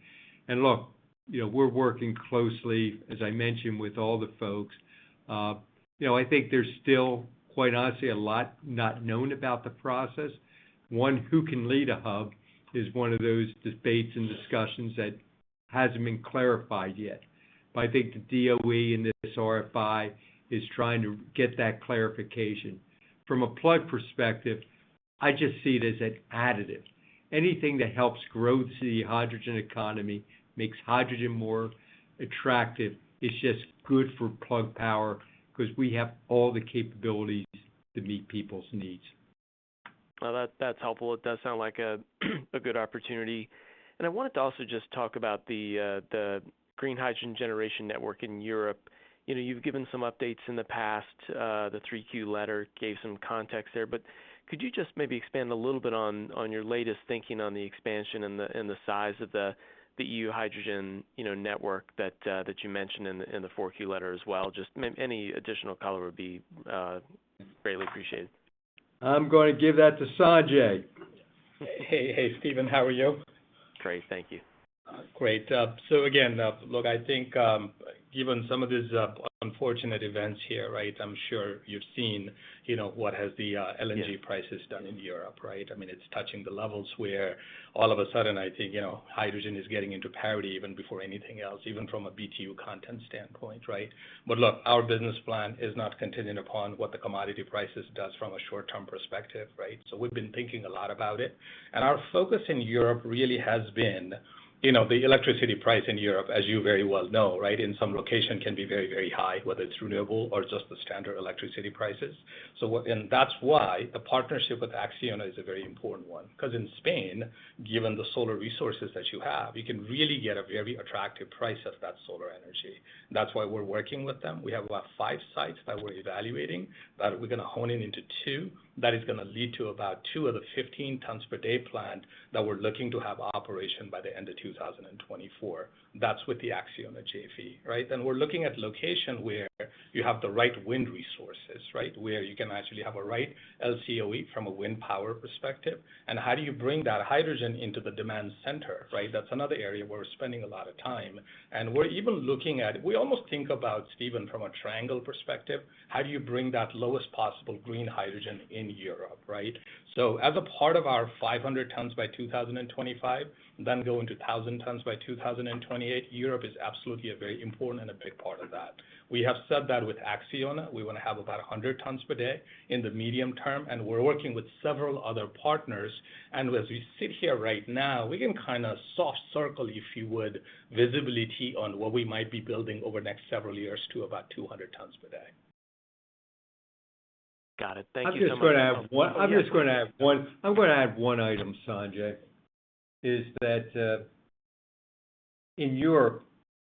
C: Look, you know, we're working closely, as I mentioned, with all the folks. You know, I think there's still, quite honestly, a lot not known about the process. One who can lead a hub is one of those debates and discussions that hasn't been clarified yet. I think the DOE in this RFI is trying to get that clarification. From a Plug perspective, I just see it as an additive. Anything that helps grow the hydrogen economy, makes hydrogen more attractive, is just good for Plug Power because we have all the capabilities to meet people's needs.
L: Well, that's helpful. It does sound like a good opportunity. I wanted to also just talk about the green hydrogen generation network in Europe. You know, you've given some updates in the past, the 3Q letter gave some context there. Could you just maybe expand a little bit on your latest thinking on the expansion and the size of the E.U. Hydrogen, you know, network that you mentioned in the 4Q letter as well? Just any additional color would be greatly appreciated.
C: I'm gonna give that to Sanjay.
E: Hey, Stephen, how are you?
L: Great, thank you.
E: Great. Again, look, I think, given some of these unfortunate events here, right? I'm sure you've seen, you know, what the LNG prices have done in Europe, right? I mean, it's touching the levels where all of a sudden, I think, you know, hydrogen is getting into parity even before anything else, even from a BTU content standpoint, right? Look, our business plan is not contingent upon what the commodity prices do from a short-term perspective, right? We've been thinking a lot about it, and our focus in Europe really has been, you know, the electricity price in Europe, as you very well know, right, in some location can be very, very high, whether it's renewable or just the standard electricity prices. That's why the partnership with ACCIONA is a very important one, cause in Spain, given the solar resources that you have, you can really get a very attractive price of that solar energy. That's why we're working with them. We have about five sites that we're evaluating that we're gonna hone in into two. That is gonna lead to about two of the 15 tons per day plant that we're looking to have operation by the end of 2024. That's with the ACCIONA, the JV, right? We're looking at location where you have the right wind resources, right? Where you can actually have a right LCOE from a wind power perspective. How do you bring that hydrogen into the demand center, right? That's another area where we're spending a lot of time. We're even looking at. We almost think about, Stephen, from a triangle perspective, how do you bring that lowest possible green hydrogen in Europe, right? As a part of our 500 tons by 2025, then go into 1,000 tons by 2028, Europe is absolutely a very important and a big part of that. We have said that with ACCIONA. We wanna have about 100 tons per day in the medium term, and we're working with several other partners. As we sit here right now, we can kind of soft circle, if you would, visibility on what we might be building over the next several years to about 200 tons per day.
L: Got it. Thank you so much.
N: I'm gonna add one item, Sanjay, is that in Europe,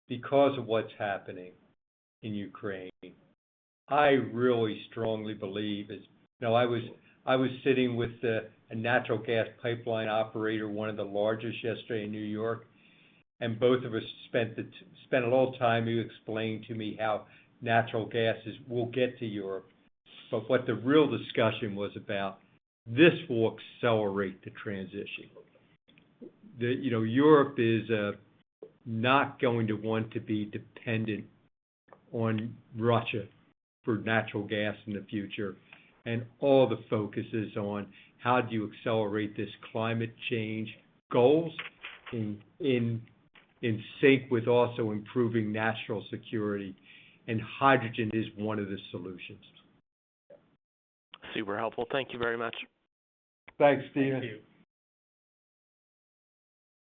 N: because of what's happening in Ukraine, I really strongly believe is. You know, I was sitting with a natural gas pipeline operator, one of the largest yesterdays in New York, and both of us spent a little time, he explained to me how natural gas will get to Europe. What the real discussion was about, this will accelerate the transition. You know, Europe is not going to want to be dependent on Russia for natural gas in the future, and all the focus is on how do you accelerate this climate change goals in sync with also improving national security, and hydrogen is one of the solutions.
L: Super helpful. Thank you very much.
N: Thanks, Stephen.
E: Thank you.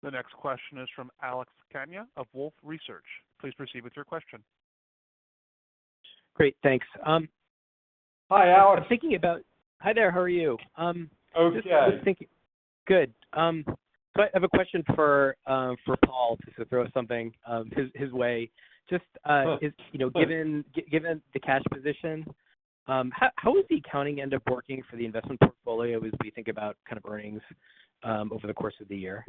A: The next question is from Alex Kania of Wolfe Research. Please proceed with your question.
O: Great, thanks.
N: Hi, Alex.
O: Hi there. How are you?
N: Okay.
O: I have a question for Paul, just to throw something his way. You know, given the cash position, how is the accounting end up working for the investment portfolio as we think about kind of earnings over the course of the year?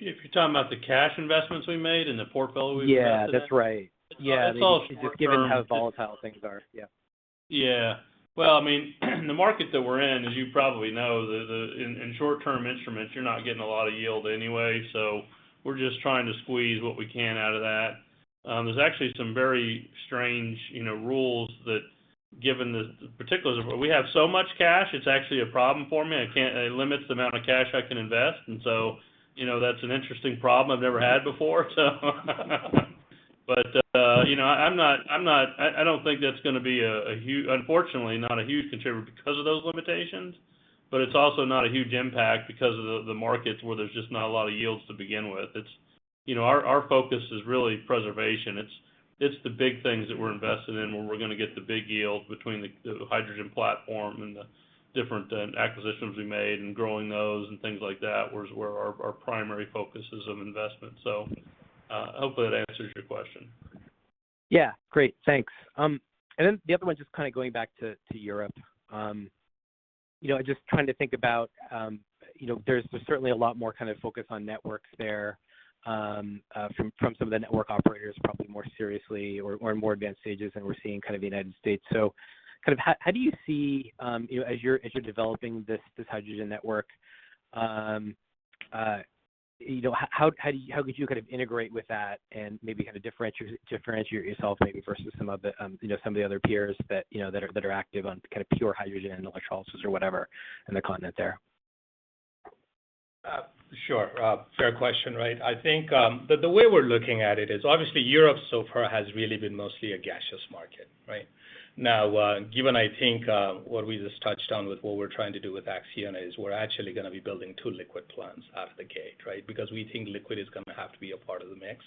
N: If you're talking about the cash investments we made and the portfolio we've invested in?
O: Yeah, that's right. Yeah.
N: That's all short-term.
O: Just given how volatile things are. Yeah.
N: Well, I mean, the market that we're in, as you probably know. In short-term instruments, you're not getting a lot of yield anyway, so we're just trying to squeeze what we can out of that. There's actually some very strange rules that given the particulars of. We have so much cash, it's actually a problem for me. I can't. It limits the amount of cash I can invest. You know, that's an interesting problem I've never had before. You know, I don't think that's gonna be a huge unfortunately, not a huge contributor because of those limitations, but it's also not a huge impact because of the markets where there's just not a lot of yields to begin with. You know, our focus is really preservation. It's the big things that we're invested in, where we're gonna get the big yield between the hydrogen platform and the different acquisitions we made and growing those and things like that was where our primary focus is of investment. Hopefully that answers your question.
O: Yeah. Great. Thanks. The other one, just kind of going back to Europe. You know, just trying to think about, you know, there's certainly a lot more kind of focus on networks there from some of the network operators, probably more seriously or in more advanced stages than we're seeing kind of in the United States. Kind of how do you see, you know, as you're developing this hydrogen network, you know, how could you kind of integrate with that and maybe kind of differentiate yourself maybe versus some of the other peers that, you know, that are active on kind of pure hydrogen and electrolysis or whatever in the continent there?
E: Sure. Fair question, right? I think the way we're looking at it is obviously Europe so far has really been mostly a gaseous market, right? Now, given what we just touched on with what we're trying to do with ACCIONA is we're actually gonna be building two liquid plants out of the gate, right? Because we think liquid is gonna have to be a part of the mix.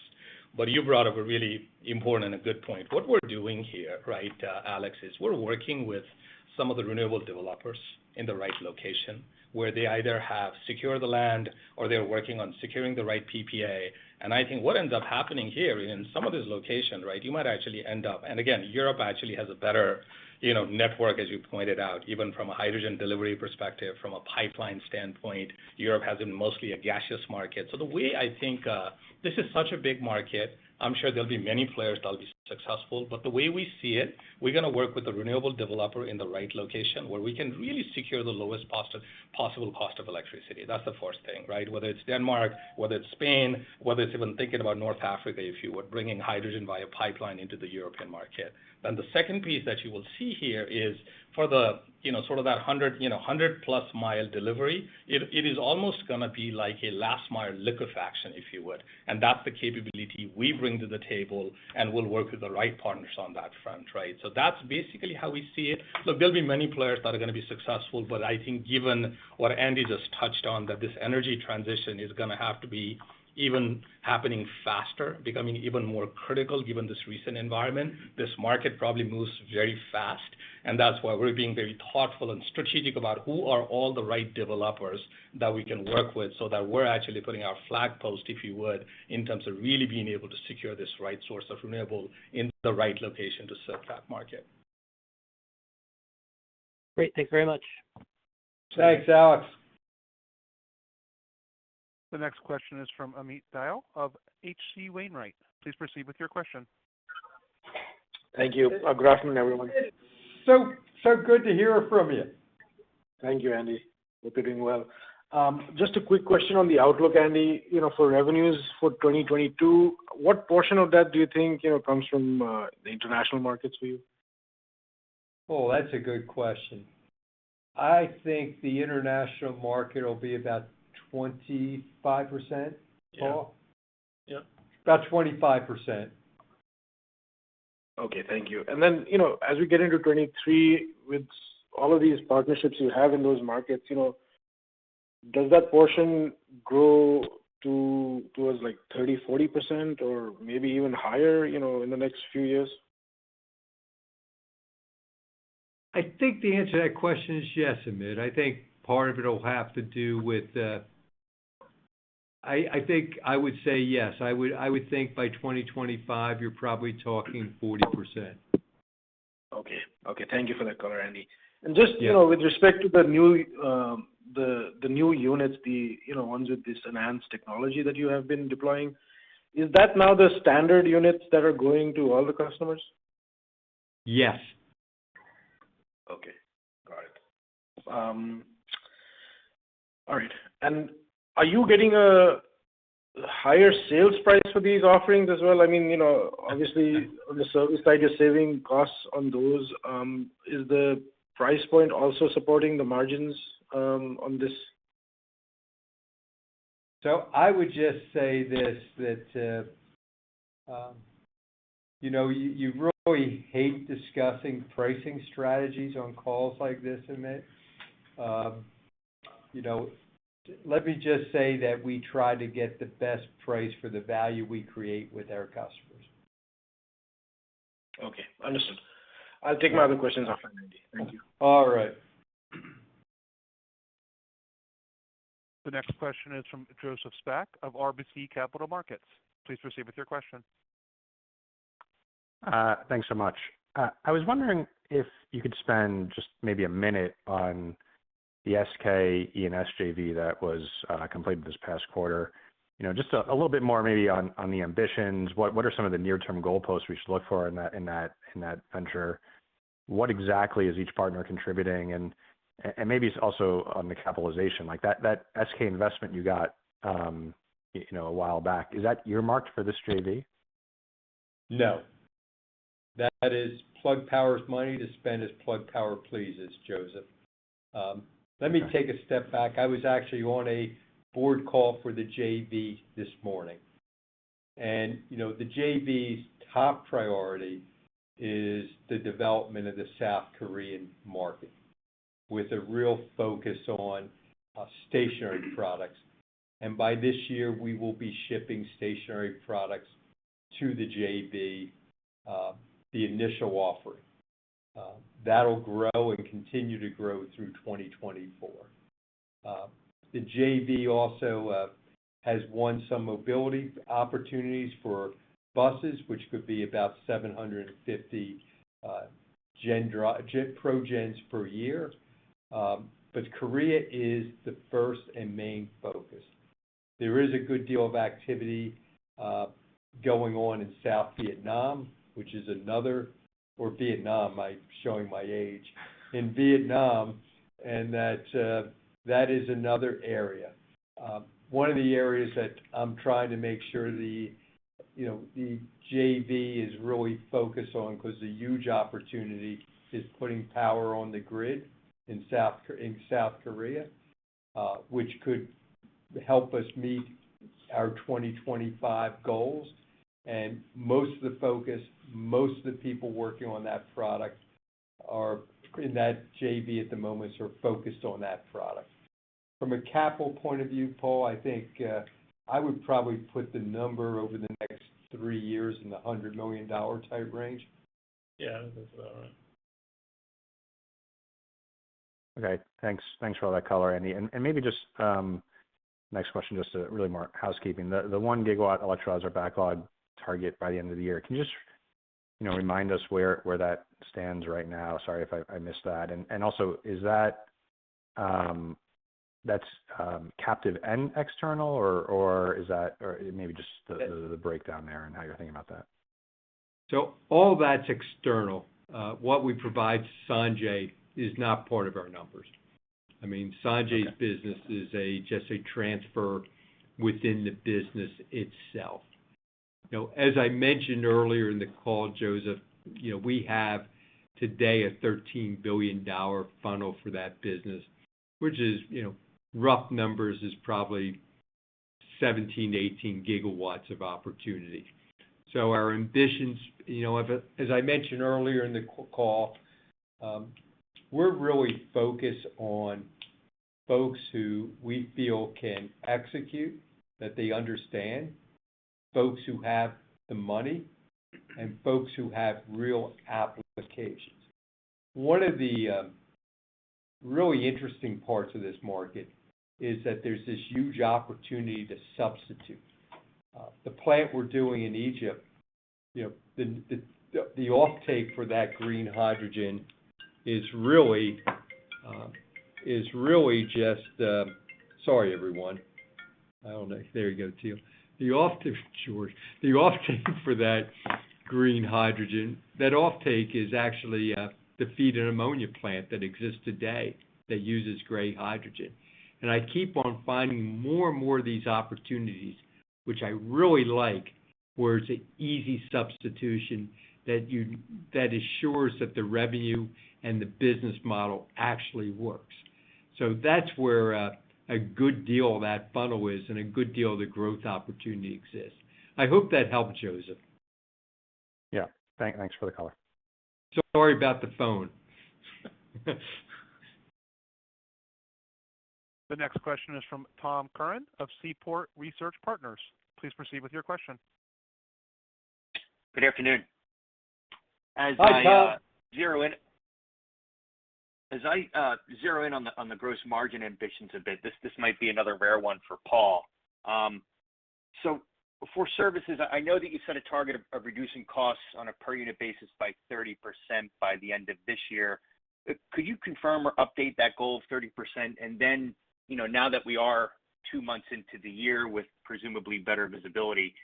E: But you brought up a really important and a good point. What we're doing here, right, Alex, is we're working with some of the renewable developers in the right location, where they either have secured the land or they're working on securing the right PPA. I think what ends up happening here in some of these locations, right, you might actually end up. Europe actually has a better, you know, network, as you pointed out, even from a hydrogen delivery perspective. From a pipeline standpoint, Europe has been mostly a gaseous market. The way I think, this is such a big market, I'm sure there'll be many players that'll be successful. The way we see it, we're gonna work with a renewable developer in the right location where we can really secure the lowest possible cost of electricity. That's the first thing, right? Whether it's Denmark, whether it's Spain, whether it's even thinking about North Africa, if you were bringing hydrogen via pipeline into the European market. The second piece that you will see here is for the, you know, sort of that 100, you know, 100+ mile delivery, it is almost gonna be like a last mile liquefaction, if you would. That's the capability we bring to the table, and we'll work with the right partners on that front, right? That's basically how we see it. Look, there'll be many players that are gonna be successful. I think given what Andy just touched on, that this energy transition is gonna have to be even happening faster, becoming even more critical given this recent environment, this market probably moves very fast. That's why we're being very thoughtful and strategic about who are all the right developers that we can work with so that we're actually putting our flag post, if you would, in terms of really being able to secure this right source of renewable in the right location to serve that market.
O: Great. Thank you very much.
C: Thanks, Alex.
A: The next question is from Amit Dayal of H.C. Wainwright. Please proceed with your question.
P: Thank you. Greetings everyone.
C: It's so good to hear from you.
P: Thank you, Andy. Hope you're doing well. Just a quick question on the outlook, Andy. You know, for revenues for 2022, what portion of that do you think, you know, comes from the international markets for you?
C: Oh, that's a good question. I think the international market will be about 25%. Paul?
N: Yeah. Yeah.
C: About 25%.
P: Okay. Thank you. You know, as we get into 2023, with all of these partnerships you have in those markets, you know, does that portion grow to, towards like 30%, 40% or maybe even higher, you know, in the next few years?
C: I think the answer to that question is yes, Amit. I think part of it'll have to do with. I think I would say yes. I would think by 2025, you're probably talking 40%.
P: Okay. Thank you for that color, Andy.
C: Yeah.
P: Just, you know, with respect to the new units, you know, the ones with this enhanced technology that you have been deploying, is that now the standard units that are going to all the customers?
C: Yes.
P: Okay. Got it. All right. Are you getting a higher sales price for these offerings as well? I mean, you know, obviously on the service side, you're saving costs on those. Is the price point also supporting the margins on this?
C: I would just say this, that, you know, you really hate discussing pricing strategies on calls like this, Amit. You know, let me just say that we try to get the best price for the value we create with our customers.
P: Okay. Understood. I'll take my other questions offline, Andy. Thank you.
C: All right.
A: The next question is from Joseph Spak of RBC Capital Markets. Please proceed with your question.
Q: Thanks so much. I was wondering if you could spend just maybe a minute on the SK E&S JV that was completed this past quarter. You know, just a little bit more maybe on the ambitions. What are some of the near-term goalposts we should look for in that venture? What exactly is each partner contributing? And maybe it's also on the capitalization. Like, that SK investment you got, you know, a while back, is that earmarked for this JV?
C: No. That is Plug Power's money to spend as Plug Power pleases, Joseph.
Q: Okay.
C: Let me take a step back. I was actually on a board call for the JV this morning, and you know, the JV's top priority is the development of the South Korean market with a real focus on stationary products. By this year, we will be shipping stationary products to the JV, the initial offering. That'll grow and continue to grow through 2024. The JV also has won some mobility opportunities for buses, which could be about 750 GenPro gens per year. But Korea is the first and main focus. There is a good deal of activity going on in South Vietnam, I'm showing my age. In Vietnam and that is another area. One of the areas that I'm trying to make sure the, you know, the JV is really focused on, cause a huge opportunity is putting power on the grid in South Korea, which could help us meet our 2025 goals, and most of the focus, most of the people working on that product are in that JV at the moment are focused on that product. From a capital point of view, Paul, I think, I would probably put the number over the next three years in the $100 million type range.
N: Yeah. That's about right.
Q: Okay, thanks. Thanks for all that color, Andy. Maybe just next question, just really more housekeeping. The 1 GW electrolyzer backlog target by the end of the year, can you just remind us where that stands right now? Sorry if I missed that. Also, is that captive and external, or maybe just the breakdown there and how you're thinking about that.
C: All that's external. What we provide Sanjay is not part of our numbers. I mean-
Q: Okay.
C: Sanjay's business is just a transfer within the business itself. You know, as I mentioned earlier in the call, Joseph, you know, we have today a $13 billion funnel for that business, which is, you know, rough numbers is probably 17-18 GW of opportunity. Our ambitions, you know, as I mentioned earlier in the call, we're really focused on folks who we feel can execute, that they understand, folks who have the money and folks who have real applications. One of the really interesting parts of this market is that there's this huge opportunity to substitute. The plant we're doing in Egypt, you know, the offtake for that green hydrogen is really just. Sorry, everyone. I don't know. There we go, Teal. The offtake. Sure. The offtake for that green hydrogen, that offtake is actually the feed for an ammonia plant that exists today that uses gray hydrogen. I keep on finding more and more of these opportunities, which I really like, where it's an easy substitution that assures that the revenue and the business model actually works. That's where a good deal of that funnel is and a good deal of the growth opportunity exists. I hope that helped, Joseph.
Q: Yeah. Thanks for the color.
C: Sorry about the phone.
A: The next question is from Tom Curran of Seaport Research Partners. Please proceed with your question.
R: Good afternoon.
C: Hi, Tom.
R: As I zero in on the gross margin ambitions a bit, this might be another rare one for Paul. So for services, I know that you set a target of reducing costs on a per unit basis by 30% by the end of this year. Could you confirm or update that goal of 30%? Then, you know, now that we are two months into the year with presumably better visibility,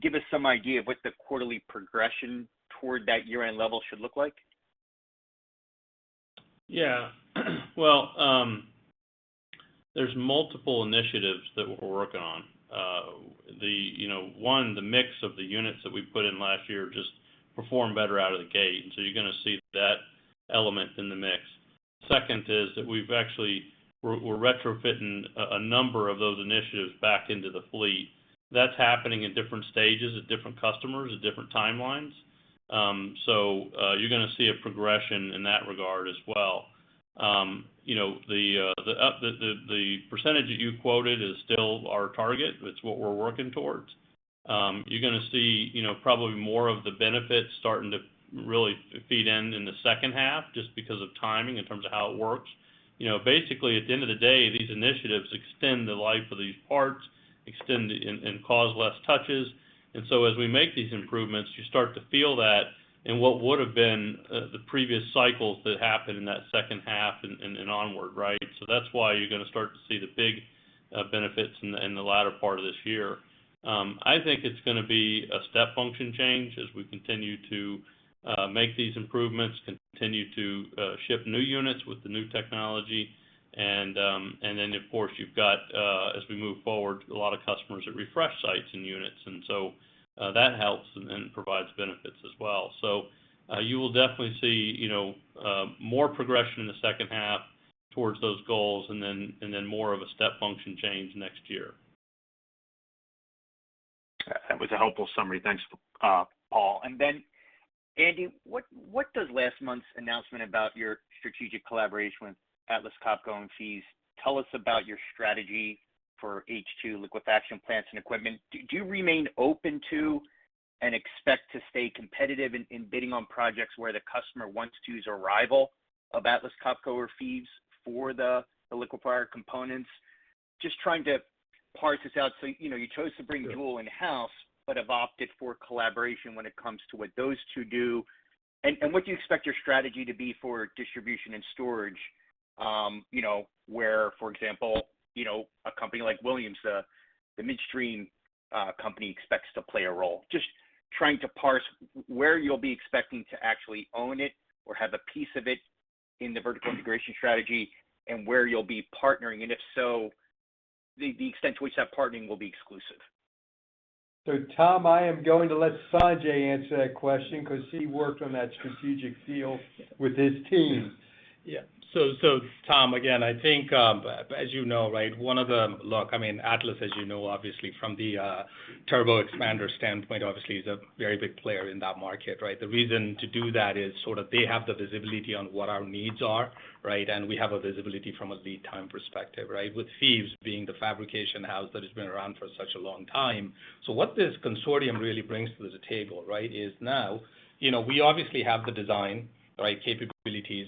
R: give us some idea of what the quarterly progression toward that year-end level should look like.
N: Yeah. Well, there's multiple initiatives that we're working on. You know, one, the mix of the units that we put in last year just perform better out of the gate, and so you're gonna see that element in the mix. Second is that we're actually retrofitting a number of those initiatives back into the fleet. That's happening at different stages at different customers at different timelines. You're gonna see a progression in that regard as well. You know, the upside percentage that you quoted is still our target. It's what we're working towards. You're gonna see, you know, probably more of the benefits starting to really feed in in the second half, just because of timing in terms of how it works. You know, basically, at the end of the day, these initiatives extend the life of these parts, extend and cause less touches. As we make these improvements, you start to feel that in what would've been the previous cycles that happened in that second half and onward, right? That's why you're gonna start to see the big benefits in the latter part of this year. I think it's gonna be a step function change as we continue to make these improvements, continue to ship new units with the new technology. Then, of course, you've got, as we move forward, a lot of customers that refresh sites and units, and so that helps and provides benefits as well. You will definitely see, you know, more progression in the second half towards those goals and then more of a step function change next year.
R: That was a helpful summary. Thanks, Paul. Andy, what does last month's announcement about your strategic collaboration with Atlas Copco and Fives tell us about your strategy for H2 liquefaction plants and equipment? Do you remain open to and expect to stay competitive in bidding on projects where the customer wants to use a rival of Atlas Copco or Fives for the liquefier components? Just trying to parse this out. You know, you chose to do all in-house, but have opted for collaboration when it comes to what those two do. What do you expect your strategy to be for distribution and storage, you know, where, for example, you know, a company like Williams, the midstream company expects to play a role?
S: Just trying to parse where you'll be expecting to actually own it or have a piece of it in the vertical integration strategy and where you'll be partnering, and if so, the extent to which that partnering will be exclusive.
C: Tom, I am going to let Sanjay answer that question because he worked on that strategic deal with his team.
E: Yeah. Tom, again, I think, as you know, right, one of the, I mean, Atlas Copco, as you know obviously from the turbo expander standpoint, obviously is a very big player in that market, right? The reason to do that is sort of they have the visibility on what our needs are, right? We have a visibility from a lead time perspective, right? With Fives being the fabrication house that has been around for such a long time. What this consortium really brings to the table, right, is now, you know, we obviously have the design, right, capabilities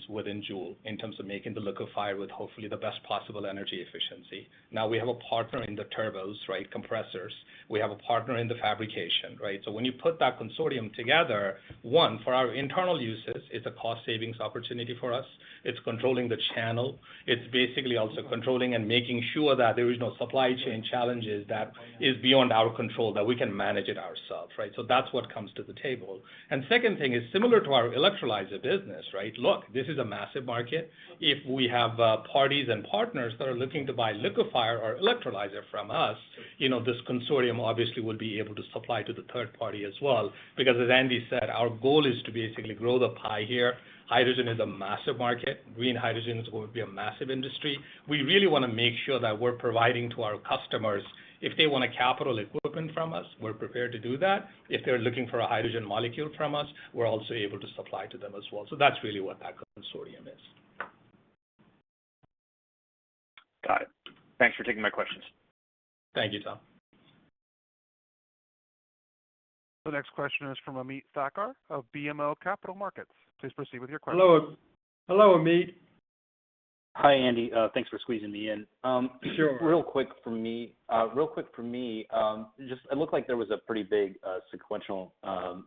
E: within Joule in terms of making the liquefier with hopefully the best possible energy efficiency. Now, we have a partner in the turbos, right? Compressors. We have a partner in the fabrication, right? When you put that consortium together, one, for our internal uses, it's a cost savings opportunity for us. It's controlling the channel. It's basically also controlling and making sure that there is no supply chain challenges that is beyond our control, that we can manage it ourselves, right? That's what comes to the table. Second thing is similar to our electrolyzer business, right? Look, this is a massive market. If we have, parties and partners that are looking to buy liquefier or electrolyzer from us, you know, this consortium obviously will be able to supply to the third party as well. Because as Andy said, our goal is to basically grow the pie here. Hydrogen is a massive market. Green hydrogen is going to be a massive industry. We really want to make sure that we're providing to our customers. If they want to capital equipment from us, we're prepared to do that. If they're looking for a hydrogen molecule from us, we're also able to supply to them as well. That's really what that consortium is.
R: Got it. Thanks for taking my questions.
E: Thank you, Tom.
A: The next question is from Ameet Thakkar of BMO Capital Markets. Please proceed with your question.
C: Hello, Ameet.
T: Hi, Andy. Thanks for squeezing me in.
C: Sure.
T: Real quick from me, just it looked like there was a pretty big sequential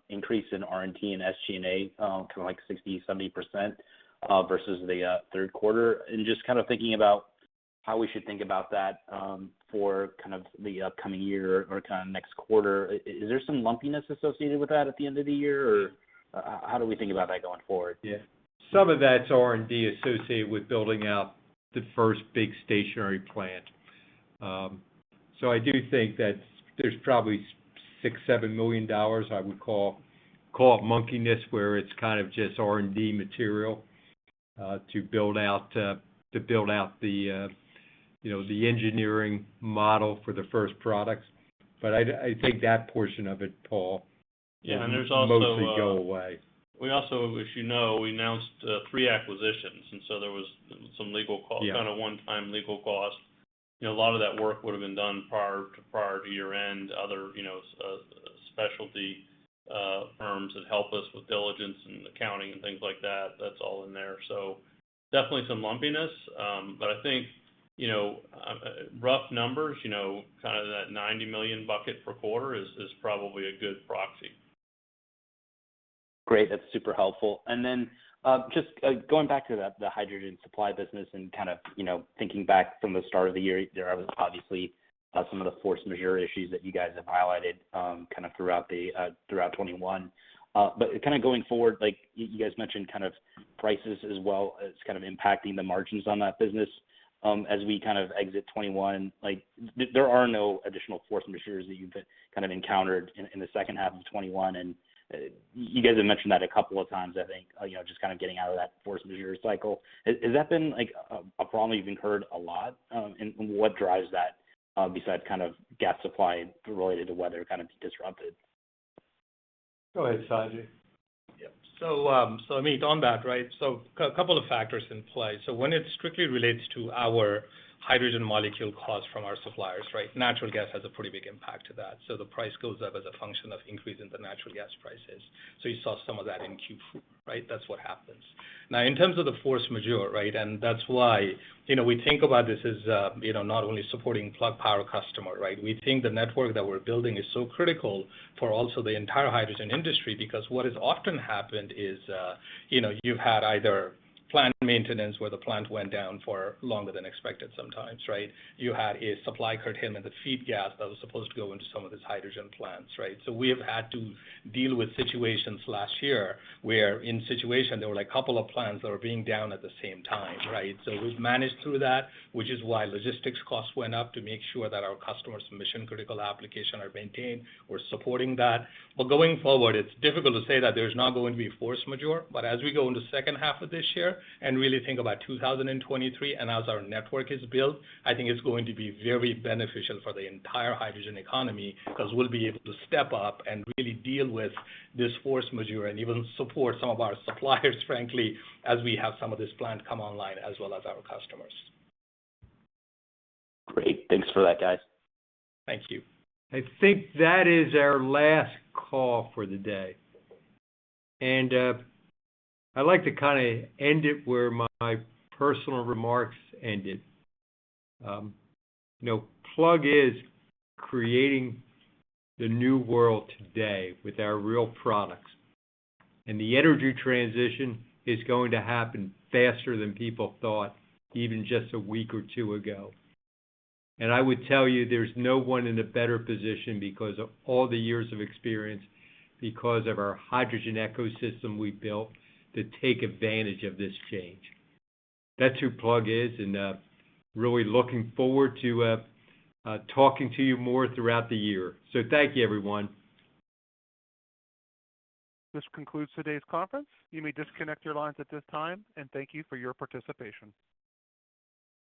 T: increase in R&D and SG&A to like 60%-70% versus the third quarter. Just kind of thinking about how we should think about that for kind of the upcoming year or kind of next quarter. Is there some lumpiness associated with that at the end of the year? Or how do we think about that going forward?
C: Some of that's R&D associated with building out the first big stationary plant. I do think that there's probably $6-$7 million I would call it lumpiness, where it's kind of just R&D material to build out the, you know, the engineering model for the first products. I take that portion of it, Paul.
E: Yeah, there's also,
C: Will mostly go away.
E: We also, as you know, we announced three acquisitions, and so there was some legal cost.
C: Yeah.
E: Kind of one-time legal cost. You know, a lot of that work would have been done prior to year-end. Other specialty firms that help us with diligence and accounting and things like that's all in there. Definitely some lumpiness. I think, you know, rough numbers, you know, kind of that $90 million bucket per quarter is probably a good proxy.
T: Great. That's super helpful. Then, just going back to the hydrogen supply business and kind of, you know, thinking back from the start of the year, there was obviously some of the force majeure issues that you guys have highlighted kind of throughout 2021. Kind of going forward, like you guys mentioned kind of prices as well as kind of impacting the margins on that business. As we kind of exit 2021, like there are no additional force majeure that you've kind of encountered in the second half of 2021. You guys have mentioned that a couple of times, I think, you know, just kind of getting out of that force majeure cycle. Has that been like a problem you've incurred a lot? What drives that, besides kind of gas supply related to weather kind of being disrupted?
C: Go ahead, Sanjay.
E: Ameet on that. Right? Couple of factors in play. When it strictly relates to our hydrogen molecule cost from our suppliers, right? Natural gas has a pretty big impact to that. The price goes up as a function of increase in the natural gas prices. You saw some of that in Q4, right? That's what happens. Now in terms of the force majeure, right? That's why, you know, we think about this as, you know, not only supporting Plug Power customer, right? We think the network that we're building is so critical for also the entire hydrogen industry, because what has often happened is, you know, you've had either plant maintenance, where the plant went down for longer than expected sometimes, right? You had a supply curtailment of feed gas that was supposed to go into some of these hydrogen plants, right? We have had to deal with situations last year where there were like a couple of plants that were being down at the same time, right? We've managed through that, which is why logistics costs went up to make sure that our customers' mission-critical applications are maintained. We're supporting that. Going forward, it's difficult to say that there's not going to be force majeure. As we go into second half of this year and really think about 2023 and as our network is built, I think it's going to be very beneficial for the entire hydrogen economy because we'll be able to step up and really deal with this force majeure and even support some of our suppliers, frankly, as we have some of this plant come online as well as our customers.
T: Great. Thanks for that, guys.
E: Thank you.
C: I think that is our last call for the day. I'd like to kind of end it where my personal remarks ended. You know, Plug is creating the new world today with our real products. The energy transition is going to happen faster than people thought, even just a week or two ago. I would tell you there's no one in a better position because of all the years of experience, because of our hydrogen ecosystem we've built to take advantage of this change. That's who Plug is, and really looking forward to talking to you more throughout the year. Thank you, everyone.
A: This concludes today's conference. You may disconnect your lines at this time, and thank you for your participation.